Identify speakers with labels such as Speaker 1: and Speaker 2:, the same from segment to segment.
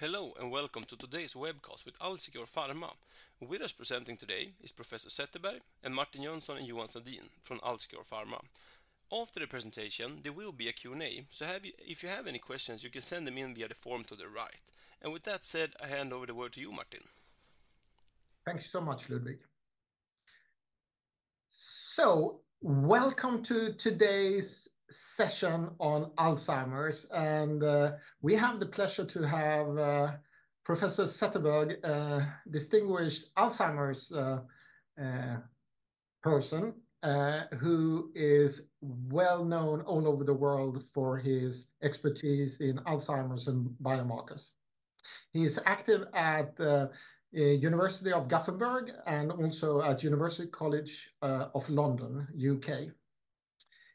Speaker 1: Hello, and welcome to today's webcast with AlzeCure Pharma. With us presenting today is Professor Zetterberg and Martin Jönsson and Johan Sandin from AlzeCure Pharma. After the presentation, there will be a Q&A, so if you have any questions, you can send them in via the form to the right. And with that said, I hand over the word to you, Martin.
Speaker 2: Thank you so much, Ludwig. So welcome to today's session on Alzheimer's, and we have the pleasure to have Professor Zetterberg, a distinguished Alzheimer's person, who is well known all over the world for his expertise in Alzheimer's and biomarkers. He is active at the University of Gothenburg and also at University College London, UK.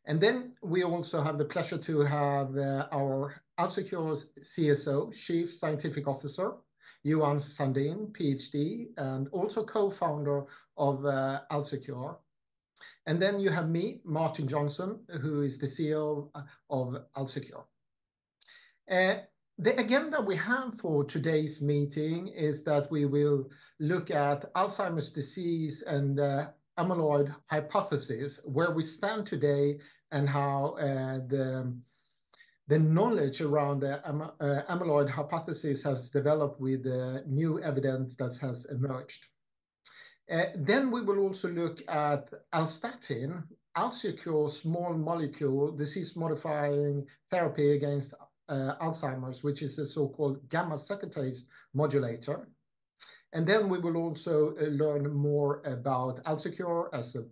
Speaker 2: And then we also have the pleasure to have our AlzeCure’s CSO, Chief Scientific Officer, Johan Sandin, PhD, and also co-founder of AlzeCure. And then you have me, Martin Jönsson, who is the CEO of AlzeCure. The agenda we have for today's meeting is that we will look at Alzheimer's disease and amyloid hypothesis, where we stand today, and how the knowledge around the amyloid hypothesis has developed with the new evidence that has emerged. Then we will also look at Alzstatin, AlzeCure's small molecule, disease-modifying therapy against Alzheimer's, which is a so-called gamma-secretase modulator. Then we will also learn more about AlzeCure as a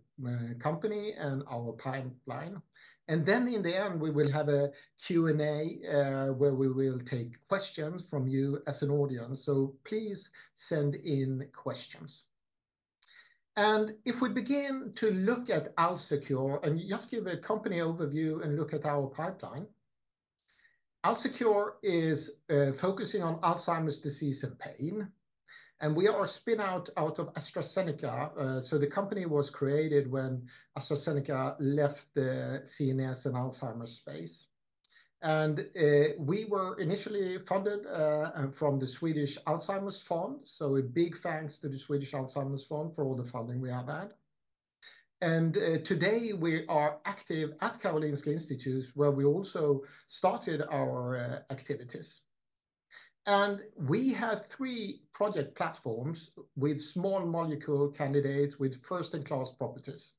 Speaker 2: company and our pipeline. Then in the end, we will have a Q&A, where we will take questions from you as an audience. So please send in questions. If we begin to look at AlzeCure and just give a company overview and look at our pipeline. AlzeCure is focusing on Alzheimer's disease and pain, and we are a spin-out out of AstraZeneca. So the company was created when AstraZeneca left the CNS and Alzheimer's space. And we were initially funded from the Swedish Alzheimer's Fund, so a big thanks to the Swedish Alzheimer's Fund for all the funding we have had. Today, we are active at Karolinska Institutet, where we also started our activities. We have three project platforms with small molecule candidates with first-in-class properties.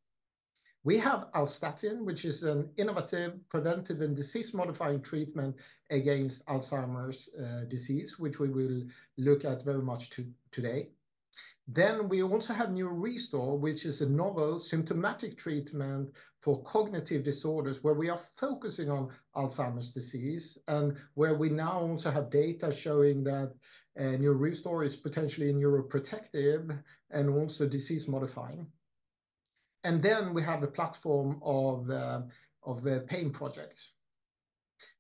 Speaker 2: We have Alzstatin, which is an innovative, preventive, and disease-modifying treatment against Alzheimer's disease, which we will look at very much today. Then we also have NeuroRestore, which is a novel symptomatic treatment for cognitive disorders, where we are focusing on Alzheimer's disease and where we now also have data showing that NeuroRestore is potentially neuroprotective and also disease-modifying. Then we have the platform of the pain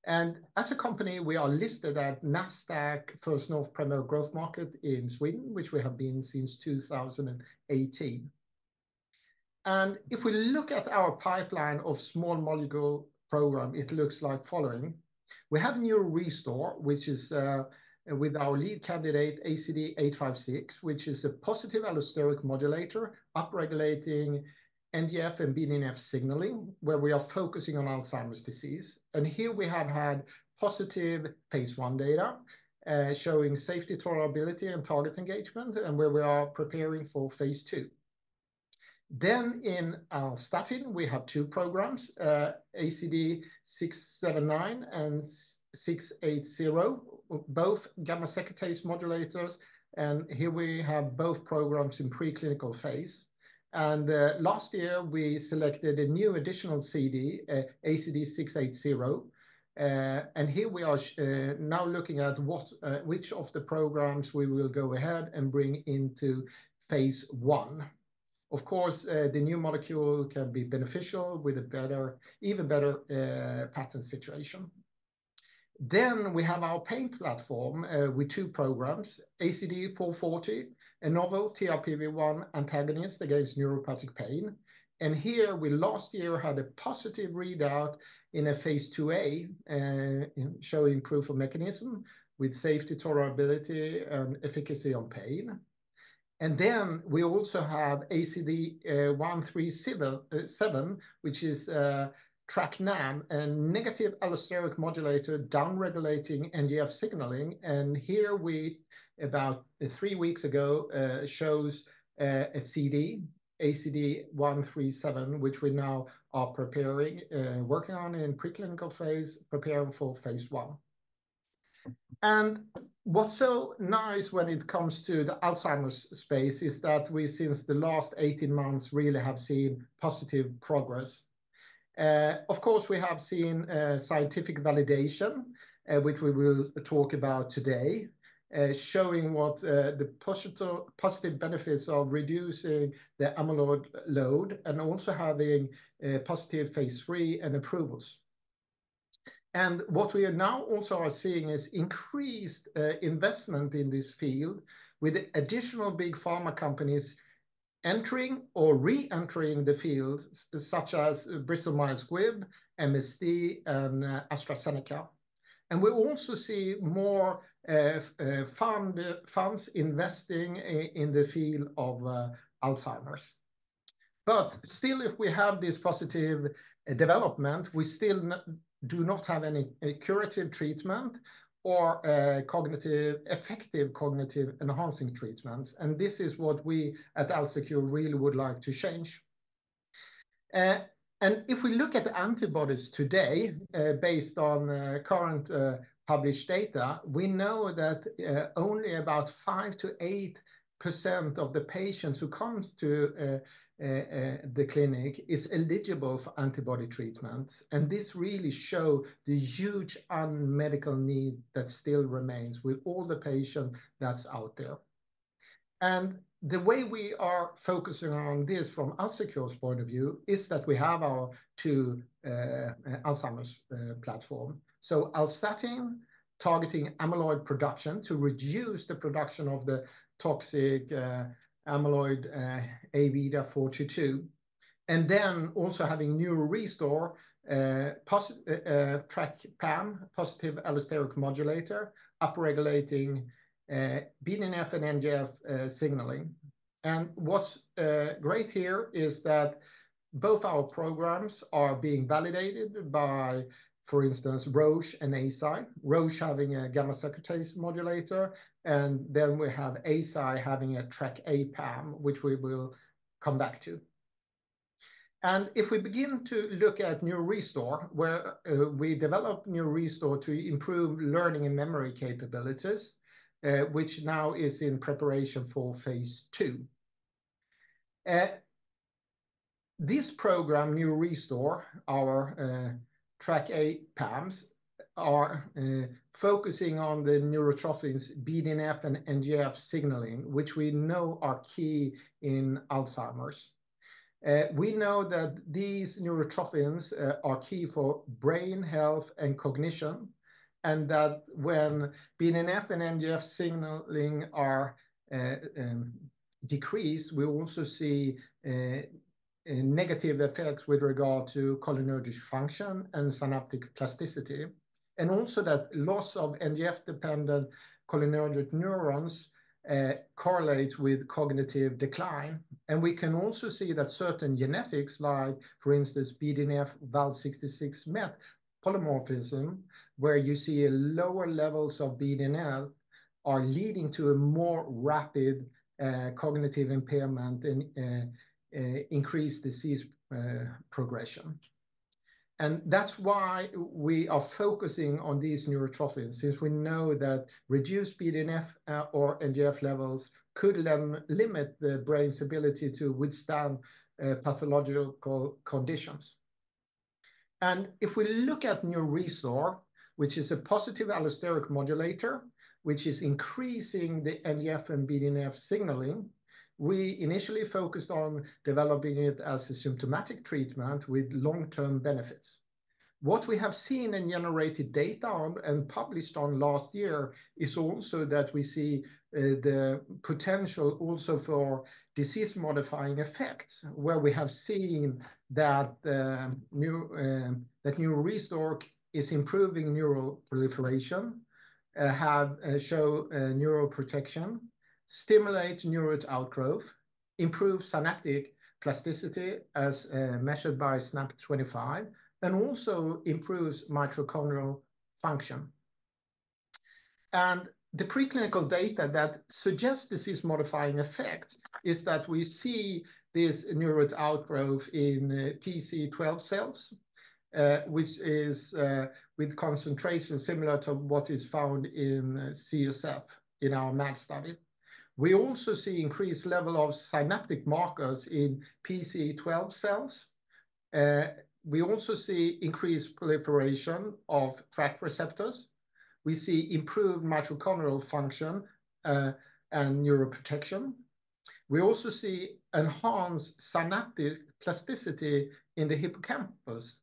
Speaker 2: project. As a company, we are listed at Nasdaq First North Premier Growth Market in Sweden, which we have been since 2018. If we look at our pipeline of small molecule program, it looks like the following: We have NeuroRestore, which is, with our lead candidate, ACD-856, which is a positive allosteric modulator, upregulating NGF and BDNF signaling, where we are focusing on Alzheimer's disease. Here we have had positive phase I data, showing safety, tolerability, and target engagement, and where we are preparing for phase II. In Alzstatin, we have two programs, ACD-679 and ACD-680, both gamma-secretase modulators, and here we have both programs in preclinical phase. Last year, we selected a new additional ACD, ACD-680. Here we are now looking at what, which of the programs we will go ahead and bring into phase I. Of course, the new molecule can be beneficial with a better, even better, patent situation. Then we have our pain platform with two programs, ACD440, a novel TRPV1 antagonist against neuropathic pain. Here we last year had a positive readout in a phase IIa showing proof of mechanism with safety tolerability and efficacy on pain. Then we also have ACD137, which is TrkA NAM, a negative allosteric modulator, downregulating NGF signaling. Here we about three weeks ago showed ACD137, which we now are preparing, working on in preclinical phase, preparing for phase I. What's so nice when it comes to the Alzheimer's space is that we since the last 18 months really have seen positive progress. Of course, we have seen scientific validation, which we will talk about today, showing what the positive, positive benefits of reducing the amyloid load and also having positive phase III and approvals. And what we are now also are seeing is increased investment in this field with additional big pharma companies entering or re-entering the field, such as Bristol Myers Squibb, MSD, and AstraZeneca. And we also see more funds investing in the field of Alzheimer's. But still, if we have this positive development, we still do not have any curative treatment or cognitively effective cognitive-enhancing treatments, and this is what we at AlzeCure really would like to change. If we look at the antibodies today, based on current published data, we know that only about 5%-8% of the patients who come to the clinic is eligible for antibody treatment, and this really show the huge unmet need that still remains with all the patient that's out there. The way we are focusing on this from AlzeCure's point of view is that we have our two Alzheimer's platform. So Alzstatin, targeting amyloid production to reduce the production of the toxic amyloid Aβ42, and then also having NeuroRestore, Trk PAM, positive allosteric modulator, upregulating BDNF and NGF signaling. What's great here is that both our programs are being validated by, for instance, Roche and Eisai. Roche having a gamma-secretase modulator, and then we have Eisai having a TrkA PAM, which we will come back to. And if we begin to look at NeuroRestore, where we developed NeuroRestore to improve learning and memory capabilities, which now is in preparation for phase two. This program, NeuroRestore, our TrkA PAMs, are focusing on the neurotrophins, BDNF and NGF signaling, which we know are key in Alzheimer's. We know that these neurotrophins are key for brain health and cognition, and that when BDNF and NGF signaling are decreased, we also see negative effects with regard to cholinergic function and synaptic plasticity, and also that loss of NGF-dependent cholinergic neurons correlates with cognitive decline. We can also see that certain genetics, like, for instance, BDNF Val66Met polymorphism, where you see a lower levels of BDNF, are leading to a more rapid cognitive impairment and increased disease progression. And that's why we are focusing on these neurotrophins, since we know that reduced BDNF or NGF levels could limit the brain's ability to withstand pathological conditions. And if we look at NeuroRestore, which is a positive allosteric modulator, which is increasing the NGF and BDNF signaling, we initially focused on developing it as a symptomatic treatment with long-term benefits. What we have seen and generated data on and published on last year is also that we see the potential also for disease-modifying effects, where we have seen that NeuroRestore is improving neural proliferation, neuroprotection, stimulate neurite outgrowth, improve synaptic plasticity as measured by SNAP25, and also improves mitochondrial function. The preclinical data that suggests disease-modifying effect is that we see this neurite outgrowth in PC12 cells, which is with concentration similar to what is found in CSF in our SAD/MAD study. We also see increased level of synaptic markers in PC12 cells. We also see increased proliferation of Trk receptors. We see improved mitochondrial function and neuroprotection. We also see enhanced synaptic plasticity in the hippocampus,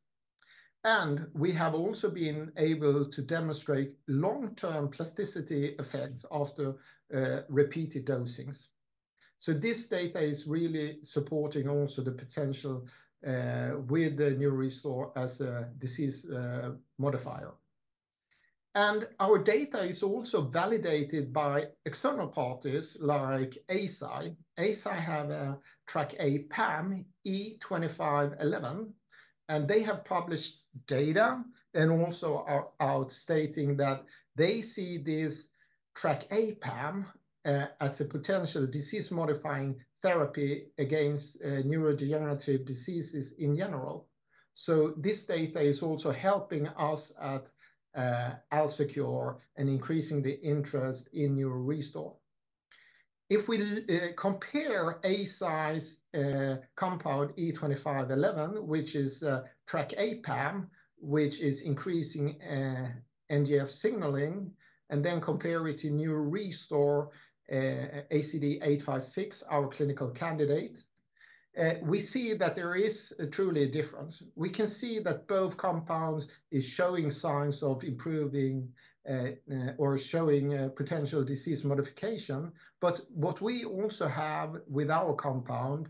Speaker 2: and we have also been able to demonstrate long-term plasticity effects after repeated dosings. So this data is really supporting also the potential with the NeuroRestore as a disease modifier. And our data is also validated by external parties like Eisai. Eisai has a TrkA PAM, E2511, and they have published data and also are stating that they see this TrkA PAM as a potential disease-modifying therapy against neurodegenerative diseases in general. So this data is also helping us at AlzeCure in increasing the interest in NeuroRestore. If we compare Eisai's compound E2511, which is a TrkA PAM, which is increasing NGF signaling, and then compare it to NeuroRestore, ACD856, our clinical candidate, we see that there is truly a difference. We can see that both compounds are showing signs of improving or showing potential disease modification. But what we also have with our compound,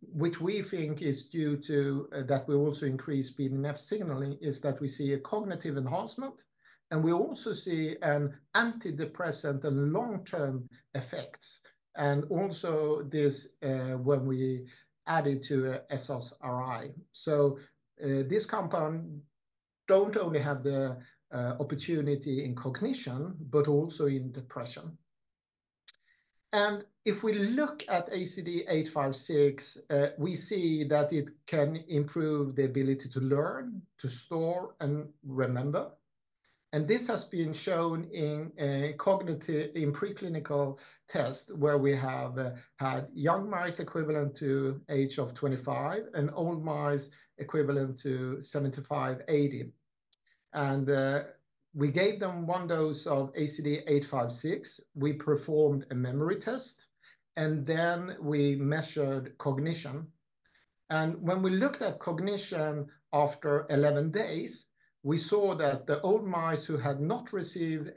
Speaker 2: which we think is due to that we also increase BDNF signaling, is that we see a cognitive enhancement, and we also see an antidepressant and long-term effects, and also this when we add it to a SSRI. So this compound don't only have the opportunity in cognition, but also in depression. And if we look at ACD-856, we see that it can improve the ability to learn, to store, and remember, and this has been shown in a cognitive test in preclinical, where we have had young mice equivalent to age of 25 and old mice equivalent to 75, 80. We gave them one dose of ACD-856. We performed a memory test, and then we measured cognition. When we looked at cognition after 11 days, we saw that the old mice who had not received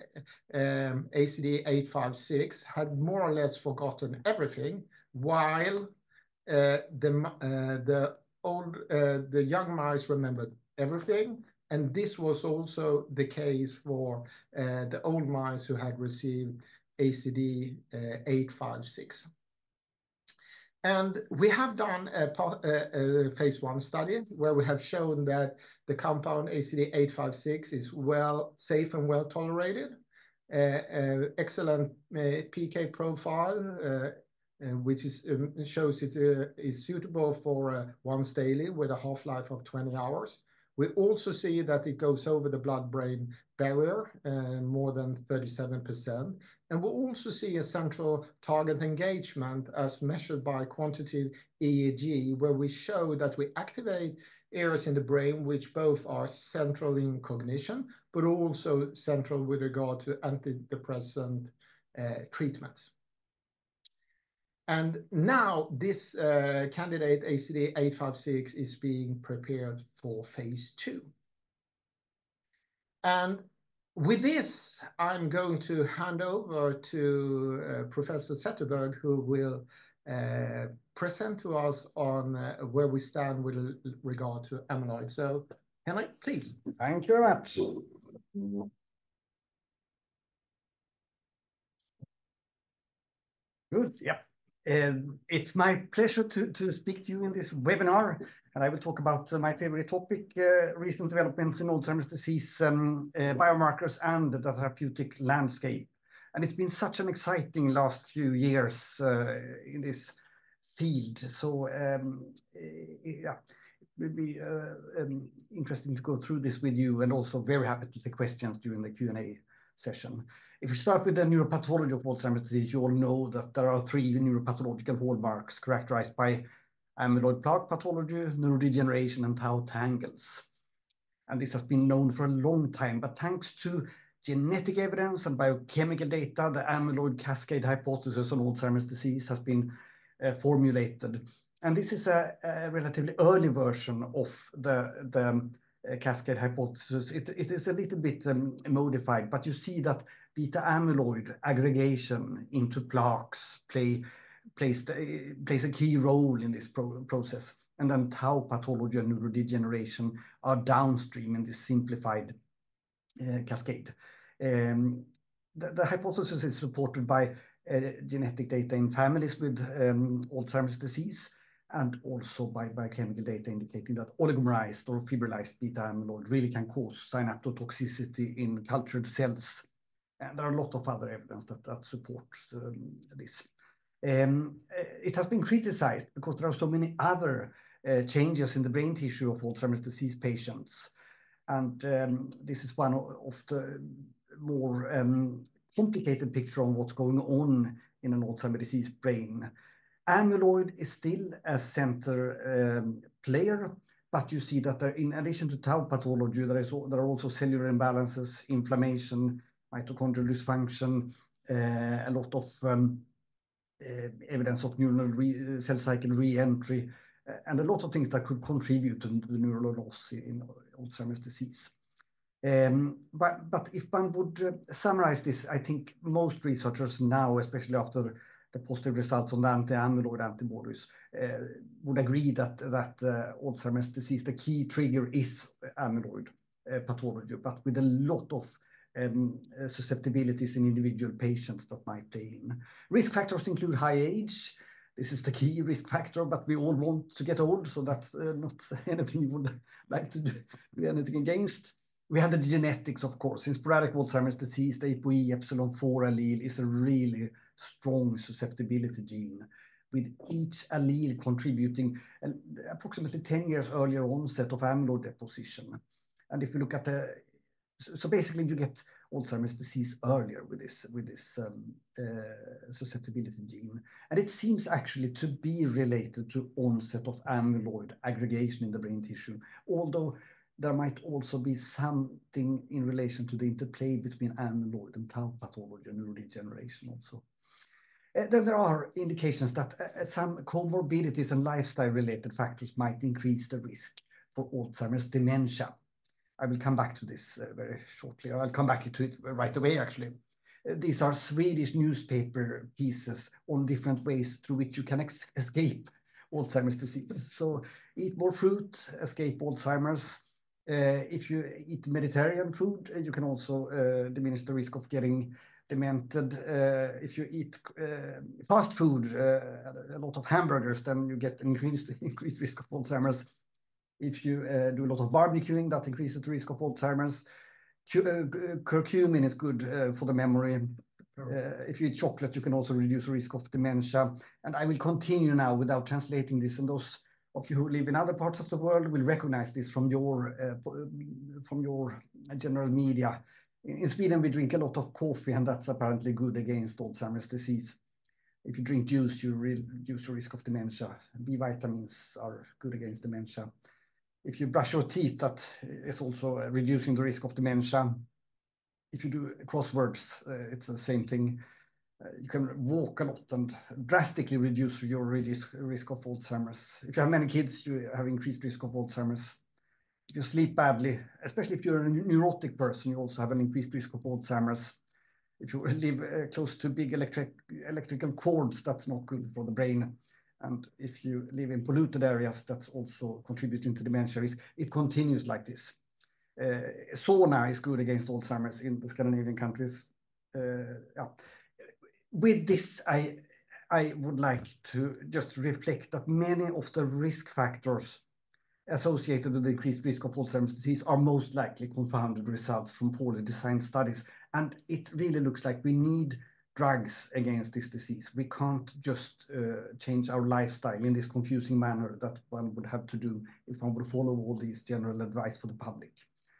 Speaker 2: ACD-856 had more or less forgotten everything, while the young mice remembered everything, and this was also the case for the old mice who had received ACD-856. We have done a phase 1 study, where we have shown that the compound ACD-856 is safe and well-tolerated, excellent PK profile, which shows it is suitable for once daily with a half-life of 20 hours. We also see that it goes over the blood-brain barrier more than 37%. We also see a central target engagement as measured by quantitative EEG, where we show that we activate areas in the brain, which both are central in cognition, but also central with regard to antidepressant treatments. Now, this candidate, ACD856, is being prepared for phase 2. With this, I'm going to hand over to Professor Zetterberg, who will present to us on where we stand with regard to amyloid. So Henrik, please.
Speaker 3: Thank you very much. Good. Yeah, it's my pleasure to speak to you in this webinar, and I will talk about my favorite topic, recent developments in Alzheimer's disease, biomarkers and the therapeutic landscape. It's been such an exciting last few years in this field. Yeah, it will be interesting to go through this with you and also very happy to take questions during the Q&A session. If you start with the neuropathology of Alzheimer's disease, you all know that there are three neuropathological hallmarks characterized by amyloid plaque pathology, neurodegeneration, and tau tangles, and this has been known for a long time. But thanks to genetic evidence and biochemical data, the amyloid cascade hypothesis on Alzheimer's disease has been formulated. This is a relatively early version of the cascade hypothesis. It is a little bit modified, but you see that beta amyloid aggregation into plaques plays a key role in this process, and then tau pathology and neurodegeneration are downstream in this simplified cascade. The hypothesis is supported by genetic data in families with Alzheimer's disease and also by biochemical data indicating that oligomerized or fibrillized beta amyloid really can cause synaptotoxicity in cultured cells. And there are a lot of other evidence that supports this. It has been criticized because there are so many other changes in the brain tissue of Alzheimer's disease patients, and this is one of the more complicated picture on what's going on in an Alzheimer's disease brain. Amyloid is still a central player, but you see that there, in addition to tau pathology, there are also cellular imbalances, inflammation, mitochondrial dysfunction, a lot of evidence of neuronal cell cycle re-entry, and a lot of things that could contribute to the neural loss in Alzheimer's disease. But if one would summarize this, I think most researchers now, especially after the positive results on the anti-amyloid antibodies, would agree that Alzheimer's disease, the key trigger is amyloid pathology, but with a lot of susceptibilities in individual patients that might play in. Risk factors include high age. This is the key risk factor, but we all want to get old, so that's not anything you would like to do anything against. We have the genetics, of course, in sporadic Alzheimer's disease, the APOE ε4 allele is a really strong susceptibility gene, with each allele contributing an approximately 10 years earlier onset of amyloid deposition. And if you look at the... So basically, you get Alzheimer's disease earlier with this susceptibility gene. And it seems actually to be related to onset of amyloid aggregation in the brain tissue, although there might also be something in relation to the interplay between amyloid and tau pathology and neurodegeneration also. Then there are indications that some comorbidities and lifestyle-related factors might increase the risk for Alzheimer's dementia. I will come back to this very shortly, or I'll come back to it right away, actually. These are Swedish newspaper pieces on different ways through which you can escape Alzheimer's disease. So eat more fruit, escape Alzheimer's. If you eat Mediterranean food, you can also diminish the risk of getting demented. If you eat fast food, a lot of hamburgers, then you get increased, increased risk of Alzheimer's. If you do a lot of barbecuing, that increases the risk of Alzheimer's. Curcumin is good for the memory. If you eat chocolate, you can also reduce the risk of dementia. And I will continue now without translating this, and those of you who live in other parts of the world will recognize this from your general media. In Sweden, we drink a lot of coffee, and that's apparently good against Alzheimer's disease. If you drink juice, you reduce your risk of dementia. B vitamins are good against dementia. If you brush your teeth, that is also reducing the risk of dementia. If you do crosswords, it's the same thing. You can walk a lot and drastically reduce your risk of Alzheimer's. If you have many kids, you have increased risk of Alzheimer's. If you sleep badly, especially if you're a neurotic person, you also have an increased risk of Alzheimer's. If you live close to big electrical cords, that's not good for the brain, and if you live in polluted areas, that's also contributing to dementia risk. It continues like this. Sauna is good against Alzheimer's in the Scandinavian countries. With this, I would like to just reflect that many of the risk factors associated with increased risk of Alzheimer's disease are most likely confounded results from poorly designed studies, and it really looks like we need drugs against this disease. We can't just change our lifestyle in this confusing manner that one would have to do if one were to follow all these general advice for the public.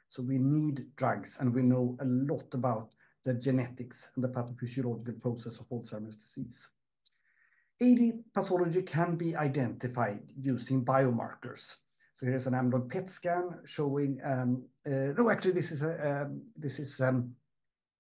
Speaker 3: So we need drugs, and we know a lot about the genetics and the pathophysiological process of Alzheimer's disease. AD pathology can be identified using biomarkers. So here is an amyloid PET scan showing, no, actually, this is both amyloid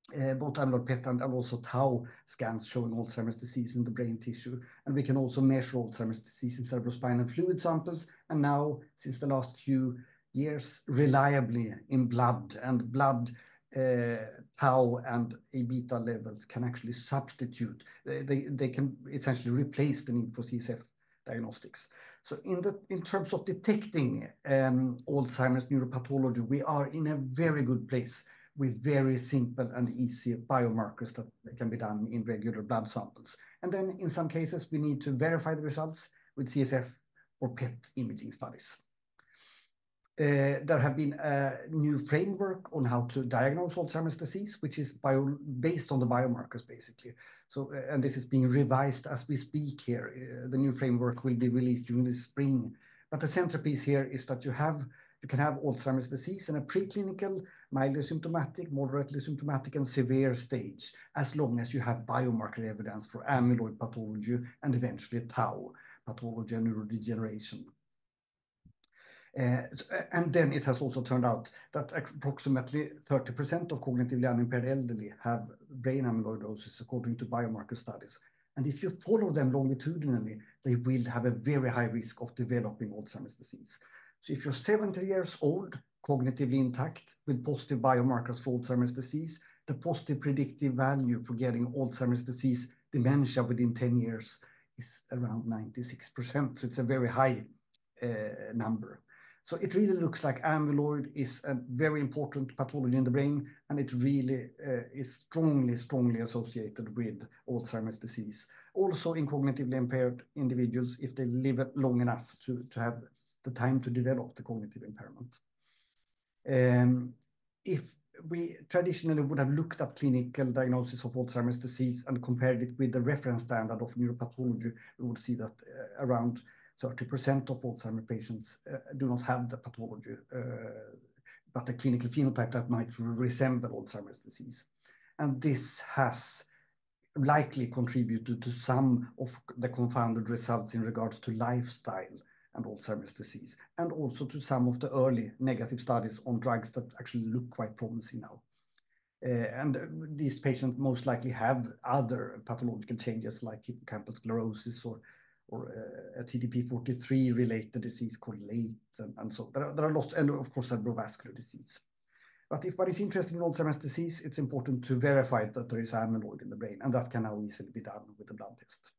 Speaker 3: PET and also tau scans showing Alzheimer's disease in the brain tissue. And we can also measure Alzheimer's disease in cerebrospinal fluid samples, and now, since the last few years, reliably in blood. And blood tau and a beta levels can actually substitute. They can essentially replace the need for CSF diagnostics. So in terms of detecting, Alzheimer's neuropathology, we are in a very good place with very simple and easy biomarkers that can be done in regular blood samples. And then in some cases, we need to verify the results with CSF or PET imaging studies. There have been a new framework on how to diagnose Alzheimer's disease, which is based on the biomarkers, basically. And this is being revised as we speak here. The new framework will be released during the spring. But the centerpiece here is that you can have Alzheimer's disease in a preclinical, mildly symptomatic, moderately symptomatic, and severe stage, as long as you have biomarker evidence for amyloid pathology and eventually tau pathology and neurodegeneration. And then it has also turned out that approximately 30% of cognitively impaired elderly have brain amyloidosis, according to biomarker studies. If you follow them longitudinally, they will have a very high risk of developing Alzheimer's disease. So if you're 70 years old, cognitively intact, with positive biomarkers for Alzheimer's disease, the positive predictive value for getting Alzheimer's disease dementia within 10 years is around 96%, so it's a very high number. So it really looks like amyloid is a very important pathology in the brain, and it really is strongly, strongly associated with Alzheimer's disease. Also in cognitively impaired individuals, if they live long enough to have the time to develop the cognitive impairment. If we traditionally would have looked at clinical diagnosis of Alzheimer's disease and compared it with the reference standard of neuropathology, we would see that around 30% of Alzheimer's patients do not have the pathology, but a clinical phenotype that might resemble Alzheimer's disease. And this has likely contributed to some of the confounded results in regards to lifestyle and Alzheimer's disease, and also to some of the early negative studies on drugs that actually look quite promising now. And these patients most likely have other pathological changes, like hippocampus sclerosis or TDP-43-related disease called LATE, and so there are lots... and of course, cerebral vascular disease. But if one is interested in Alzheimer's disease, it's important to verify that there is amyloid in the brain, and that can now easily be done with a blood test.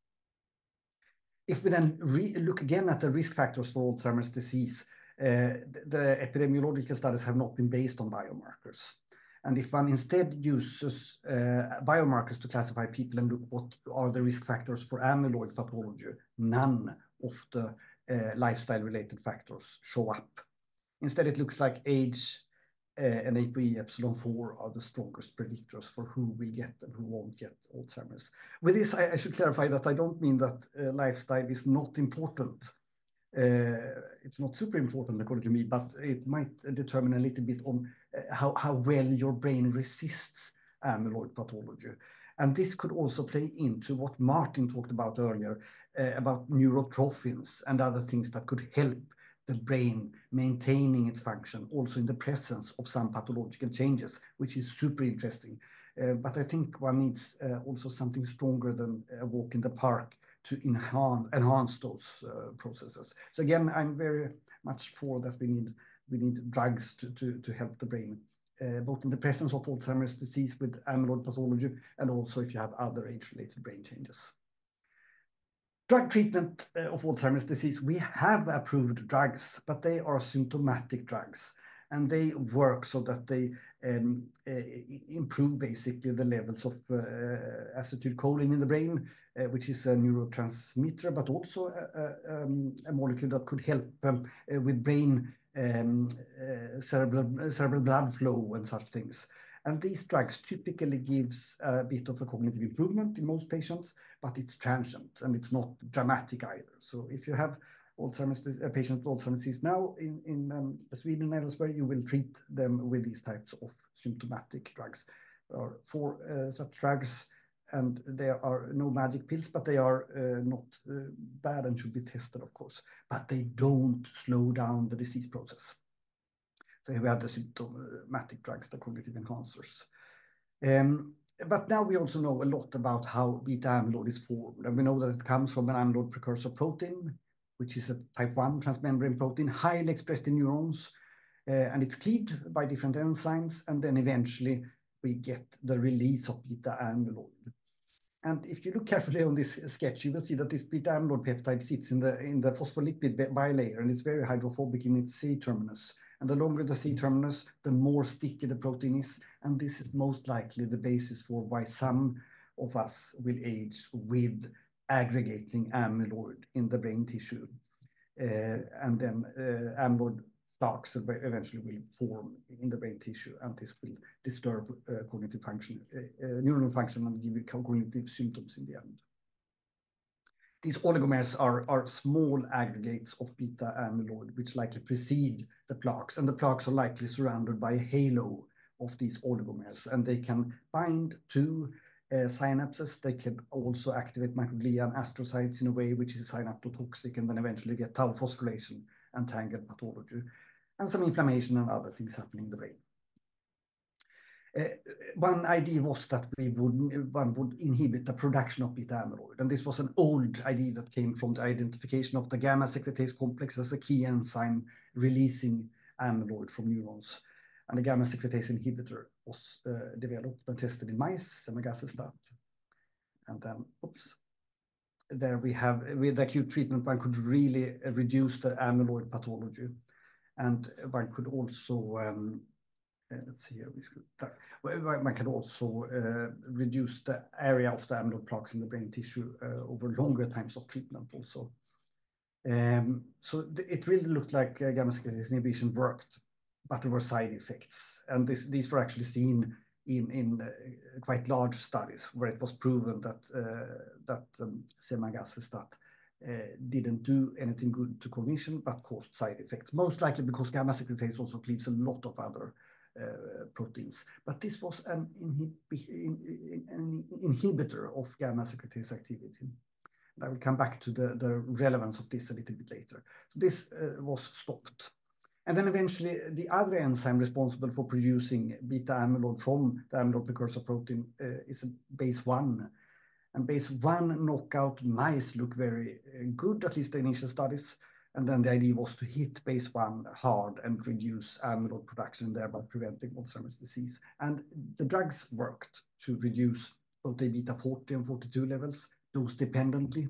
Speaker 3: If we then look again at the risk factors for Alzheimer's disease, the epidemiological studies have not been based on biomarkers. And if one instead uses biomarkers to classify people and look what are the risk factors for amyloid pathology, none of the lifestyle-related factors show up. Instead, it looks like age and APOE epsilon four are the strongest predictors for who will get and who won't get Alzheimer's. With this, I should clarify that I don't mean that lifestyle is not important. It's not super important, according to me, but it might determine a little bit on how well your brain resists amyloid pathology. And this could also play into what Martin talked about earlier, about neurotrophins and other things that could help the brain maintaining its function, also in the presence of some pathological changes, which is super interesting. But I think one needs, also something stronger than a walk in the park to enhance, enhance those, processes. So again, I'm very much for that we need, we need drugs to, to, to help the brain, both in the presence of Alzheimer's disease with amyloid pathology, and also if you have other age-related brain changes. Drug treatment of Alzheimer's disease, we have approved drugs, but they are symptomatic drugs, and they work so that they improve basically the levels of acetylcholine in the brain, which is a neurotransmitter, but also a molecule that could help with brain cerebral blood flow and such things. And these drugs typically gives a bit of a cognitive improvement in most patients, but it's transient, and it's not dramatic either. So if you have Alzheimer's, a patient with Alzheimer's disease now in Sweden and elsewhere, you will treat them with these types of symptomatic drugs. Or for such drugs, and there are no magic pills, but they are not bad and should be tested, of course, but they don't slow down the disease process. So we have the symptomatic drugs, the cognitive enhancers. But now we also know a lot about how beta-amyloid is formed, and we know that it comes from an amyloid precursor protein, which is a type I transmembrane protein, highly expressed in neurons, and it's cleaved by different enzymes, and then eventually we get the release of beta-amyloid. And if you look carefully on this sketch, you will see that this beta-amyloid peptide sits in the phospholipid bilayer, and it's very hydrophobic in its C terminus. And the longer the C terminus, the more sticky the protein is, and this is most likely the basis for why some of us will age with aggregating amyloid in the brain tissue. Then, amyloid plaques eventually will form in the brain tissue, and this will disturb cognitive function, neuronal function, and give you cognitive symptoms in the end. These oligomers are small aggregates of beta-amyloid, which likely precede the plaques, and the plaques are likely surrounded by a halo of these oligomers, and they can bind to synapses. They can also activate microglia and astrocytes in a way which is synaptotoxic, and then eventually get tau phosphorylation and tangle pathology, and some inflammation and other things happening in the brain. One idea was that one would inhibit the production of beta-amyloid, and this was an old idea that came from the identification of the gamma-secretase complex as a key enzyme releasing amyloid from neurons. And the gamma-secretase inhibitor was developed and tested in mice, Semagacestat. And then, with acute treatment, one could really reduce the amyloid pathology. And one could also reduce the area of the amyloid plaques in the brain tissue over longer times of treatment also. So it really looked like gamma-secretase inhibition worked, but there were side effects, and these were actually seen in quite large studies where it was proven that Semagacestat didn't do anything good to cognition, but caused side effects, most likely because gamma-secretase also cleaves a lot of other proteins. But this was an inhibitor of gamma-secretase activity. I will come back to the relevance of this a little bit later. So this was stopped. Then eventually, the other enzyme responsible for producing beta-amyloid from the amyloid precursor protein is BACE1. BACE1 knockout mice look very good, at least the initial studies. Then the idea was to hit BACE1 hard and reduce amyloid production, thereby preventing Alzheimer's disease. The drugs worked to reduce both the beta 40 and 42 levels, dose-dependently.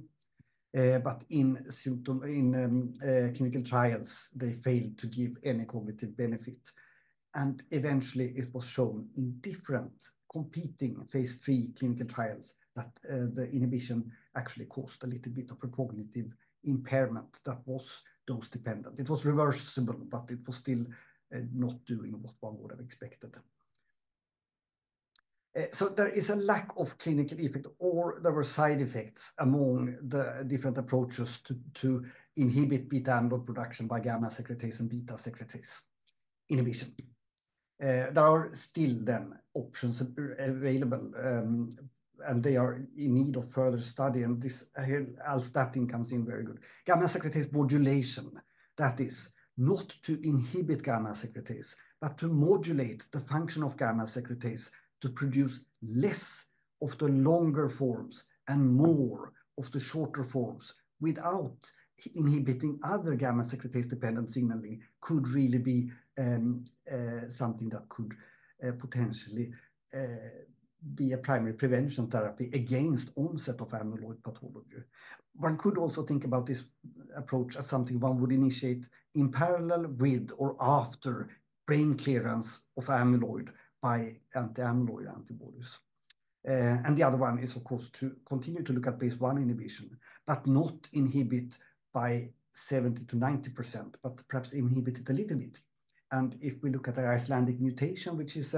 Speaker 3: But in symptomatic clinical trials, they failed to give any cognitive benefit. Eventually, it was shown in different competing phase III clinical trials that the inhibition actually caused a little bit of a cognitive impairment that was dose dependent. It was reversible, but it was still not doing what one would have expected. So there is a lack of clinical effect, or there were side effects among the different approaches to, to inhibit beta-amyloid production by gamma-secretase and beta-secretase inhibition. There are still then options available, and they are in need of further study, and this here, Alzstatin comes in very good. Gamma-secretase modulation, that is not to inhibit gamma-secretase, but to modulate the function of gamma-secretase to produce less of the longer forms and more of the shorter forms without inhibiting other gamma-secretase dependent signaling, could really be something that could potentially be a primary prevention therapy against onset of amyloid pathology. One could also think about this approach as something one would initiate in parallel with or after brain clearance of amyloid by anti-amyloid antibodies. The other one is, of course, to continue to look at BACE1 inhibition, but not inhibit by 70%-90%, but perhaps inhibit it a little bit. If we look at the Icelandic mutation, which is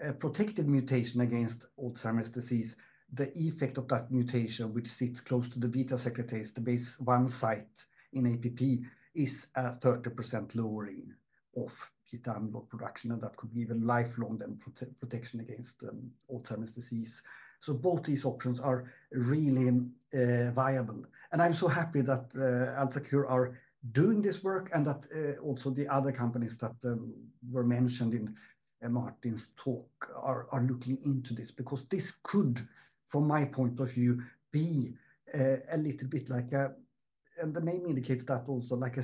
Speaker 3: a protective mutation against Alzheimer's disease, the effect of that mutation, which sits close to the beta-secretase, the BACE1 site in APP, is a 30% lowering of beta amyloid production, and that could give a lifelong protection against Alzheimer's disease. So both these options are really viable. I'm so happy that AlzeCure are doing this work, and that also the other companies that were mentioned in Martin's talk are looking into this. Because this could, from my point of view, be a little bit like a, and the name indicates that also, like a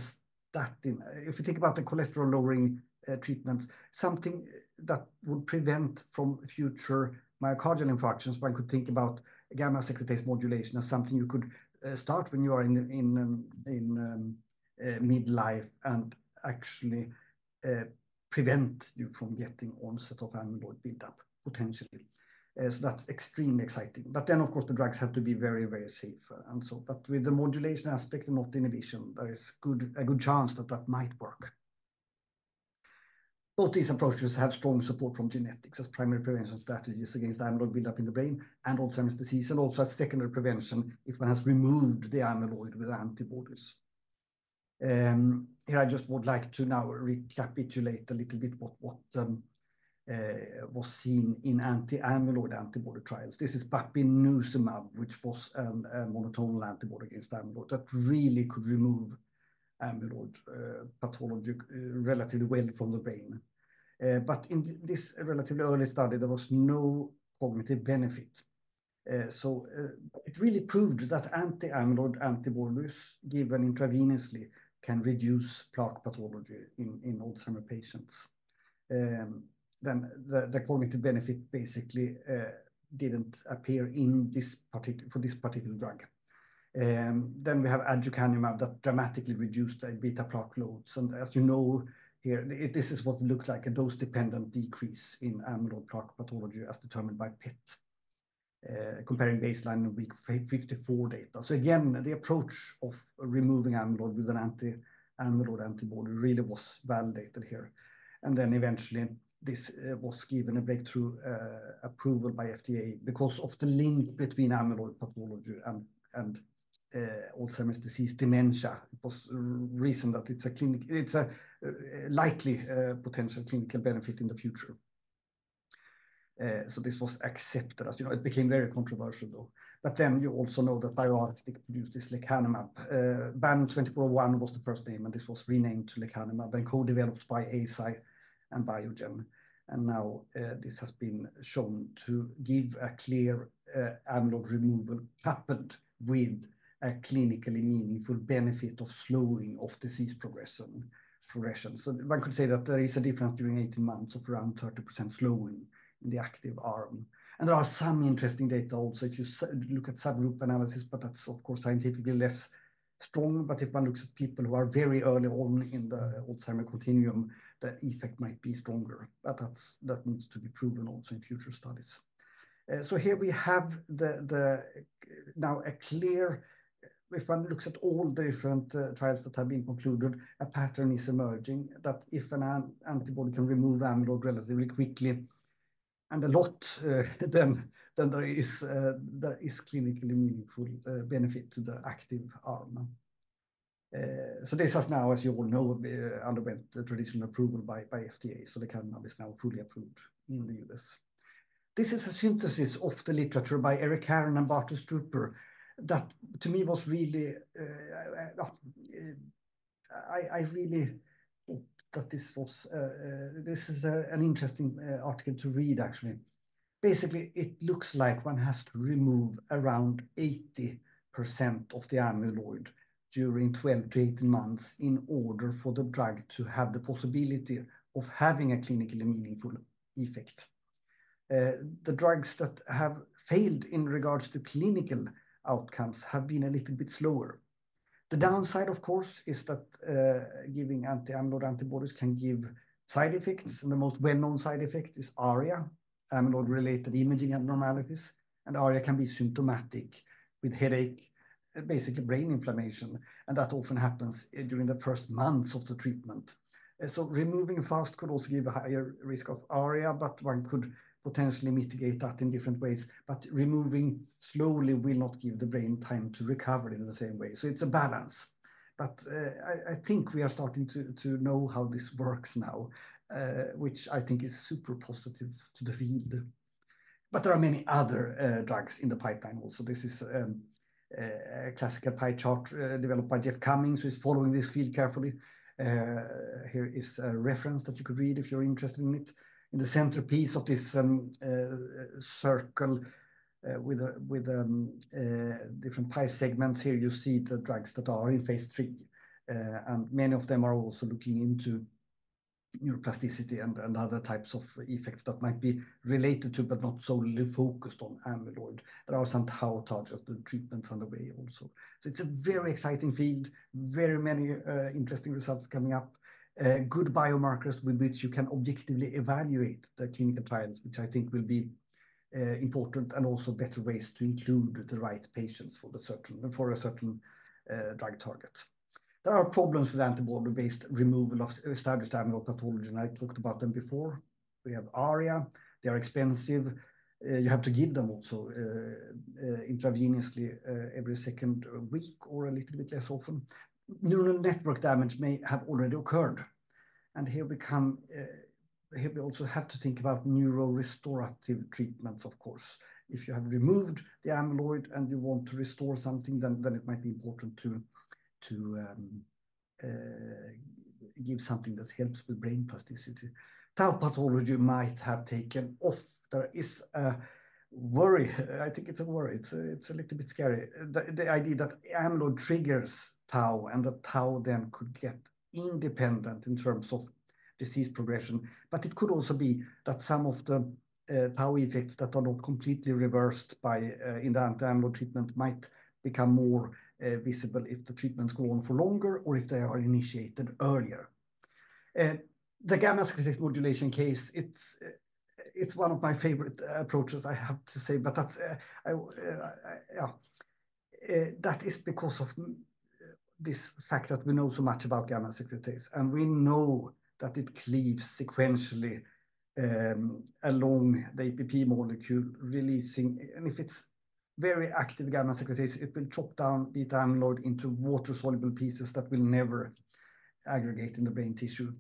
Speaker 3: statin. If you think about the cholesterol-lowering treatments, something that would prevent from future myocardial infarctions, one could think about gamma-secretase modulation as something you could start when you are in mid-life and actually prevent you from getting onset of amyloid build-up, potentially. So that's extremely exciting. But then, of course, the drugs have to be very, very safe. And so, but with the modulation aspect and not inhibition, there is a good chance that that might work. Both these approaches have strong support from genetics as primary prevention strategies against amyloid build-up in the brain and Alzheimer's disease, and also as secondary prevention if one has removed the amyloid with antibodies. Here I just would like to now recapitulate a little bit what was seen in anti-amyloid antibody trials. This is gantenerumab, which was a monoclonal antibody against amyloid that really could remove amyloid pathology relatively well from the brain. But in this relatively early study, there was no cognitive benefit. So it really proved that anti-amyloid antibodies, given intravenously, can reduce plaque pathology in Alzheimer's patients. Then the cognitive benefit basically didn't appear for this particular drug. Then we have aducanumab that dramatically reduced the beta plaque loads. And as you know, here, this is what it looks like, a dose-dependent decrease in amyloid plaque pathology as determined by PET, comparing baseline and week 54 data. So again, the approach of removing amyloid with an anti-amyloid antibody really was validated here. Then eventually, this was given a breakthrough approval by FDA because of the link between amyloid pathology and, and, Alzheimer's disease dementia. It was reason that it's a clinic- it's a likely potential clinical benefit in the future. So this was accepted. As you know, it became very controversial, though. But then you also know that BioArctic produced this lecanemab. BAN 2401 was the first name, and this was renamed to lecanemab and co-developed by Eisai and Biogen. And now, this has been shown to give a clear amyloid removal coupled with a clinically meaningful benefit of slowing of disease progression, progression. So one could say that there is a difference during 18 months of around 30% slowing in the active arm. And there are some interesting data also, if you look at subgroup analysis, but that's of course scientifically less strong. But if one looks at people who are very early on in the Alzheimer continuum, the effect might be stronger. But that's, that needs to be proven also in future studies. So here we have the now a clear... If one looks at all the different trials that have been concluded, a pattern is emerging, that if an antibody can remove amyloid relatively quickly and a lot, then there is there is clinically meaningful benefit to the active arm. So this has now, as you all know, underwent the traditional approval by FDA, so lecanemab is now fully approved in the U.S. This is a synthesis of the literature by Eric Karran and Bart De Strooper that, to me, was really... I really thought that this was an interesting article to read, actually. Basically, it looks like one has to remove around 80% of the amyloid during 12-18 months in order for the drug to have the possibility of having a clinically meaningful effect. The drugs that have failed in regards to clinical outcomes have been a little bit slower. The downside, of course, is that giving anti-amyloid antibodies can give side effects, and the most well-known side effect is ARIA, amyloid-related imaging abnormalities. ARIA can be symptomatic, with headache, and basically brain inflammation, and that often happens during the first months of the treatment. So removing fast could also give a higher risk of ARIA, but one could potentially mitigate that in different ways. But removing slowly will not give the brain time to recover in the same way. So it's a balance, but I think we are starting to know how this works now, which I think is super positive to the field. But there are many other drugs in the pipeline also. This is a classical pie chart developed by Jeff Cummings, who is following this field carefully. Here is a reference that you could read if you're interested in it. In the center piece of this circle with different pie segments here, you see the drugs that are in phase 3. And many of them are also looking into neuroplasticity and other types of effects that might be related to, but not solely focused on amyloid. There are some tau approaches of the treatments on the way also. So it's a very exciting field, very many interesting results coming up. Good biomarkers with which you can objectively evaluate the clinical trials, which I think will be important, and also better ways to include the right patients for a certain drug target. There are problems with antibody-based removal of established amyloid pathology, and I talked about them before. We have ARIA. They are expensive. You have to give them also intravenously every second week or a little bit less often. Neural network damage may have already occurred-... And here we come, here we also have to think about neurorestorative treatments, of course. If you have removed the amyloid and you want to restore something, then it might be important to give something that helps with brain plasticity. Tau pathology might have taken off. There is a worry. I think it's a worry. It's a little bit scary, the idea that amyloid triggers tau, and that tau then could get independent in terms of disease progression. But it could also be that some of the tau effects that are not completely reversed by in the anti-amyloid treatment might become more visible if the treatments go on for longer or if they are initiated earlier. The gamma-secretase modulation case, it's one of my favorite approaches, I have to say, but that's that is because of this fact that we know so much about gamma-secretase, and we know that it cleaves sequentially along the APP molecule, releasing... And if it's very active gamma-secretase, it will chop down the amyloid into water-soluble pieces that will never aggregate in the brain tissue.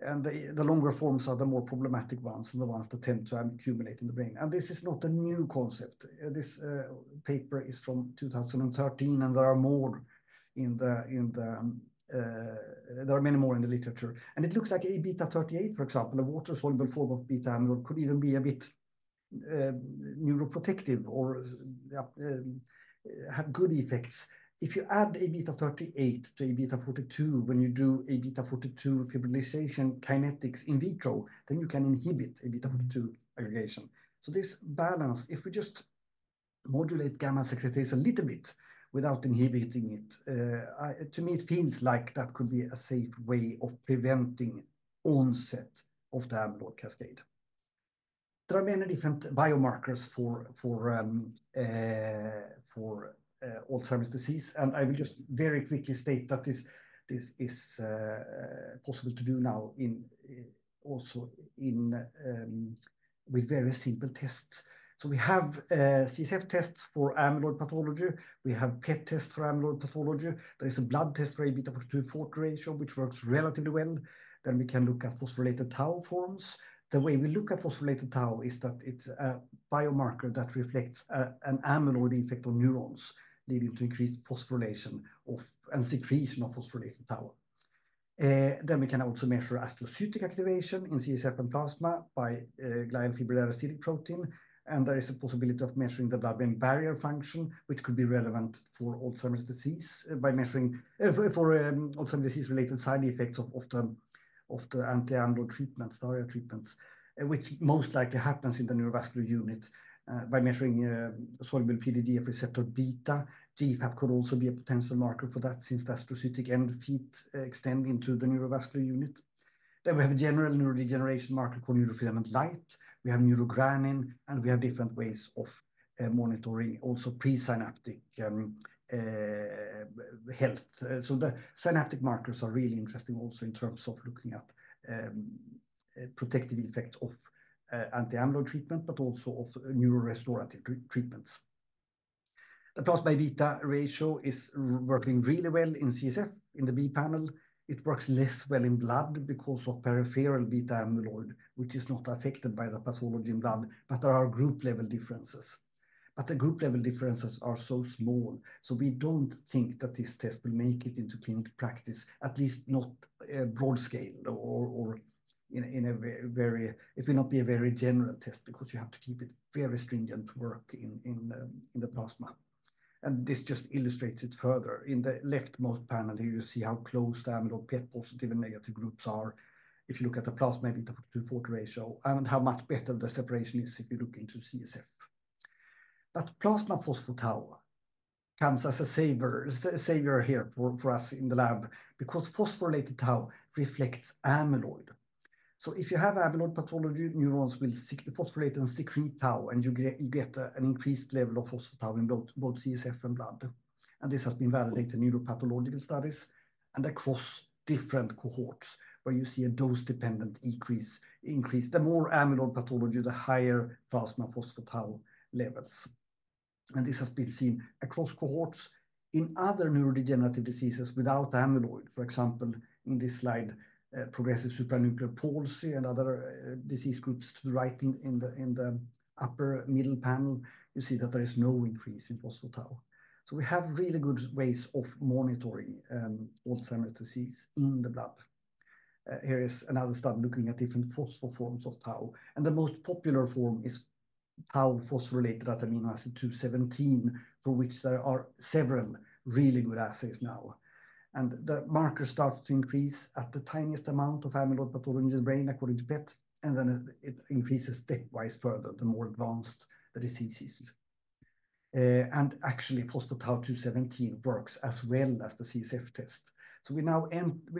Speaker 3: And the longer forms are the more problematic ones, and the ones that tend to accumulate in the brain. And this is not a new concept. This paper is from 2013, and there are more in the literature, there are many more in the literature. And it looks like Aβ38, for example, a water-soluble form of beta-amyloid could even be a bit neuroprotective or have good effects. If you add Aβ38 to Aβ 42, when you do Aβ 42 fibrillation kinetics in vitro, then you can inhibit Aβ 42 aggregation. So this balance, if we just modulate gamma-secretase a little bit without inhibiting it, to me, it feels like that could be a safe way of preventing onset of the amyloid cascade. There are many different biomarkers for Alzheimer's disease, and I will just very quickly state that this is possible to do now in also in with very simple tests. So we have CSF tests for amyloid pathology. We have PET test for amyloid pathology. There is a blood test for Aβ 42/40 ratio, which works relatively well. Then we can look at phosphorylated tau forms. The way we look at phosphorylated tau is that it's a biomarker that reflects an amyloid effect on neurons, leading to increased phosphorylation of and secretion of phosphorylated tau. Then we can also measure astrocytic activation in CSF and plasma by glial fibrillary acidic protein, and there is a possibility of measuring the blood-brain barrier function, which could be relevant for Alzheimer's disease, by measuring Alzheimer's disease-related side effects of the anti-amyloid treatments, the ARIA treatments, which most likely happens in the neurovascular unit, by measuring soluble PDGF receptor beta. GFAP could also be a potential marker for that, since the astrocytic end feet extend into the neurovascular unit. Then we have a general neurodegeneration marker called neurofilament light. We have neurogranin, and we have different ways of monitoring also presynaptic health. So the synaptic markers are really interesting also in terms of looking at, protective effects of, anti-amyloid treatment, but also of neurorestorative treatments. The plasma beta ratio is working really well in CSF, in the B panel. It works less well in blood because of peripheral beta amyloid, which is not affected by the pathology in blood, but there are group level differences. But the group level differences are so small, so we don't think that this test will make it into clinical practice, at least not broad scale or in a very... It will not be a very general test because you have to keep it very stringent to work in the plasma. This just illustrates it further. In the leftmost panel, you see how close the amyloid PET positive and negative groups are if you look at the plasma beta-42 ratio and how much better the separation is if you look into CSF. That plasma phospho-tau comes as a savior here for us in the lab, because phosphorylated tau reflects amyloid. So if you have amyloid pathology, neurons will phosphorylate and secrete tau, and you get an increased level of phospho-tau in both CSF and blood. This has been validated in neuropathological studies and across different cohorts, where you see a dose-dependent increase. The more amyloid pathology, the higher plasma phospho-tau levels. This has been seen across cohorts in other neurodegenerative diseases without amyloid. For example, in this slide, progressive supranuclear palsy and other disease groups to the right in the, in the upper middle panel, you see that there is no increase in phospho-tau. So we have really good ways of monitoring, Alzheimer's disease in the blood. Here is another study looking at different phospho forms of tau, and the most popular form is tau phosphorylated at amino acid 217, for which there are several really good assays now. And the marker starts to increase at the tiniest amount of amyloid pathology in the brain, according to PET, and then it, it increases stepwise further, the more advanced the disease is. And actually, phospho-tau 217 works as well as the CSF test. So we now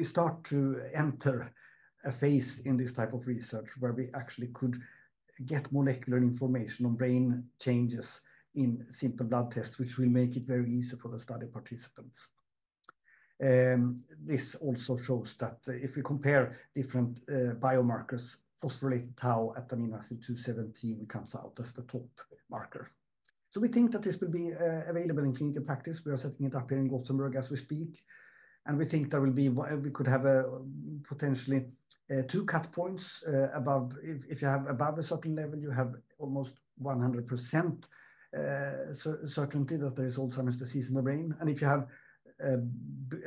Speaker 3: start to enter a phase in this type of research where we actually could get molecular information on brain changes in simple blood tests, which will make it very easy for the study participants. This also shows that if we compare different biomarkers, phosphorylated tau at amino acid 217 comes out as the top marker. So we think that this will be available in clinical practice. We are setting it up here in Gothenburg as we speak, and we think there could be potentially two cut points above. If you have above a certain level, you have almost 100% certainty that there is Alzheimer's disease in the brain. And if you have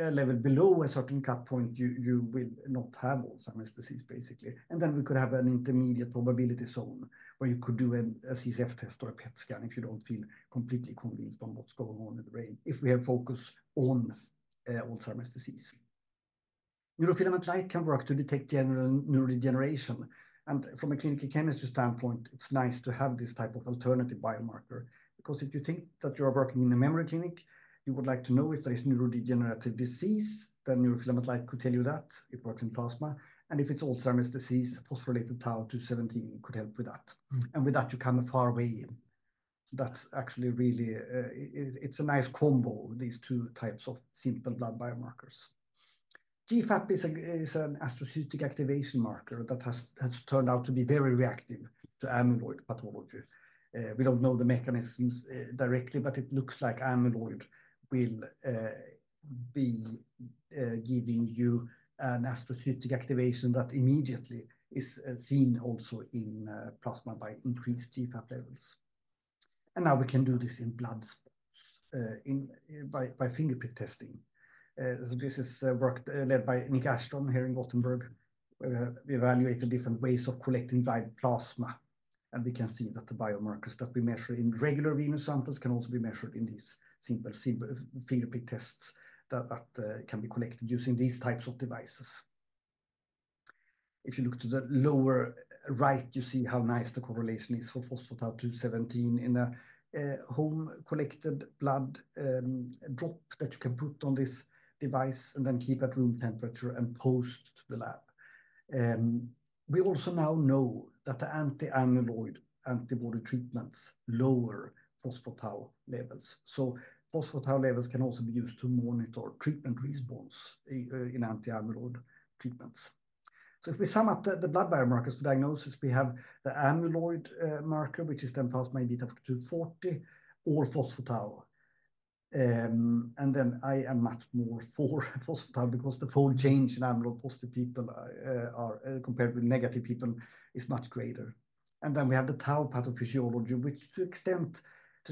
Speaker 3: a level below a certain cut point, you will not have Alzheimer's disease, basically. Then we could have an intermediate probability zone, where you could do a CSF test or a PET scan if you don't feel completely convinced on what's going on in the brain, if we are focused on Alzheimer's disease. Neurofilament light can work to detect general neurodegeneration. From a clinical chemistry standpoint, it's nice to have this type of alternative biomarker, because if you think that you are working in a memory clinic, you would like to know if there is neurodegenerative disease, then neurofilament light could tell you that. It works in plasma. If it's Alzheimer's disease, phosphorylated tau 217 could help with that. With that, you come a far way in. That's actually really, it, it's a nice combo of these two types of simple blood biomarkers. GFAP is an astrocytic activation marker that has turned out to be very reactive to amyloid pathologies. We don't know the mechanisms directly, but it looks like amyloid will be giving you an astrocytic activation that immediately is seen also in plasma by increased GFAP levels. And now we can do this in blood spots by fingerprint testing. So this is work led by Nick Ashton here in Gothenburg, where we evaluated different ways of collecting live plasma. And we can see that the biomarkers that we measure in regular venous samples can also be measured in these simple finger prick tests that can be collected using these types of devices. If you look to the lower right, you see how nice the correlation is for phospho-tau 217 in a home-collected blood drop that you can put on this device and then keep at room temperature and post to the lab. We also now know that the anti-amyloid antibody treatments lower phospho-tau levels. So phospho-tau levels can also be used to monitor treatment response in anti-amyloid treatments. So if we sum up the blood biomarkers to diagnosis, we have the amyloid marker, which is then passed maybe up to 240 or phospho-tau. And then I am much more for phospho-tau because the fold change in amyloid positive people are compared with negative people is much greater. And then we have the tau pathophysiology, which, to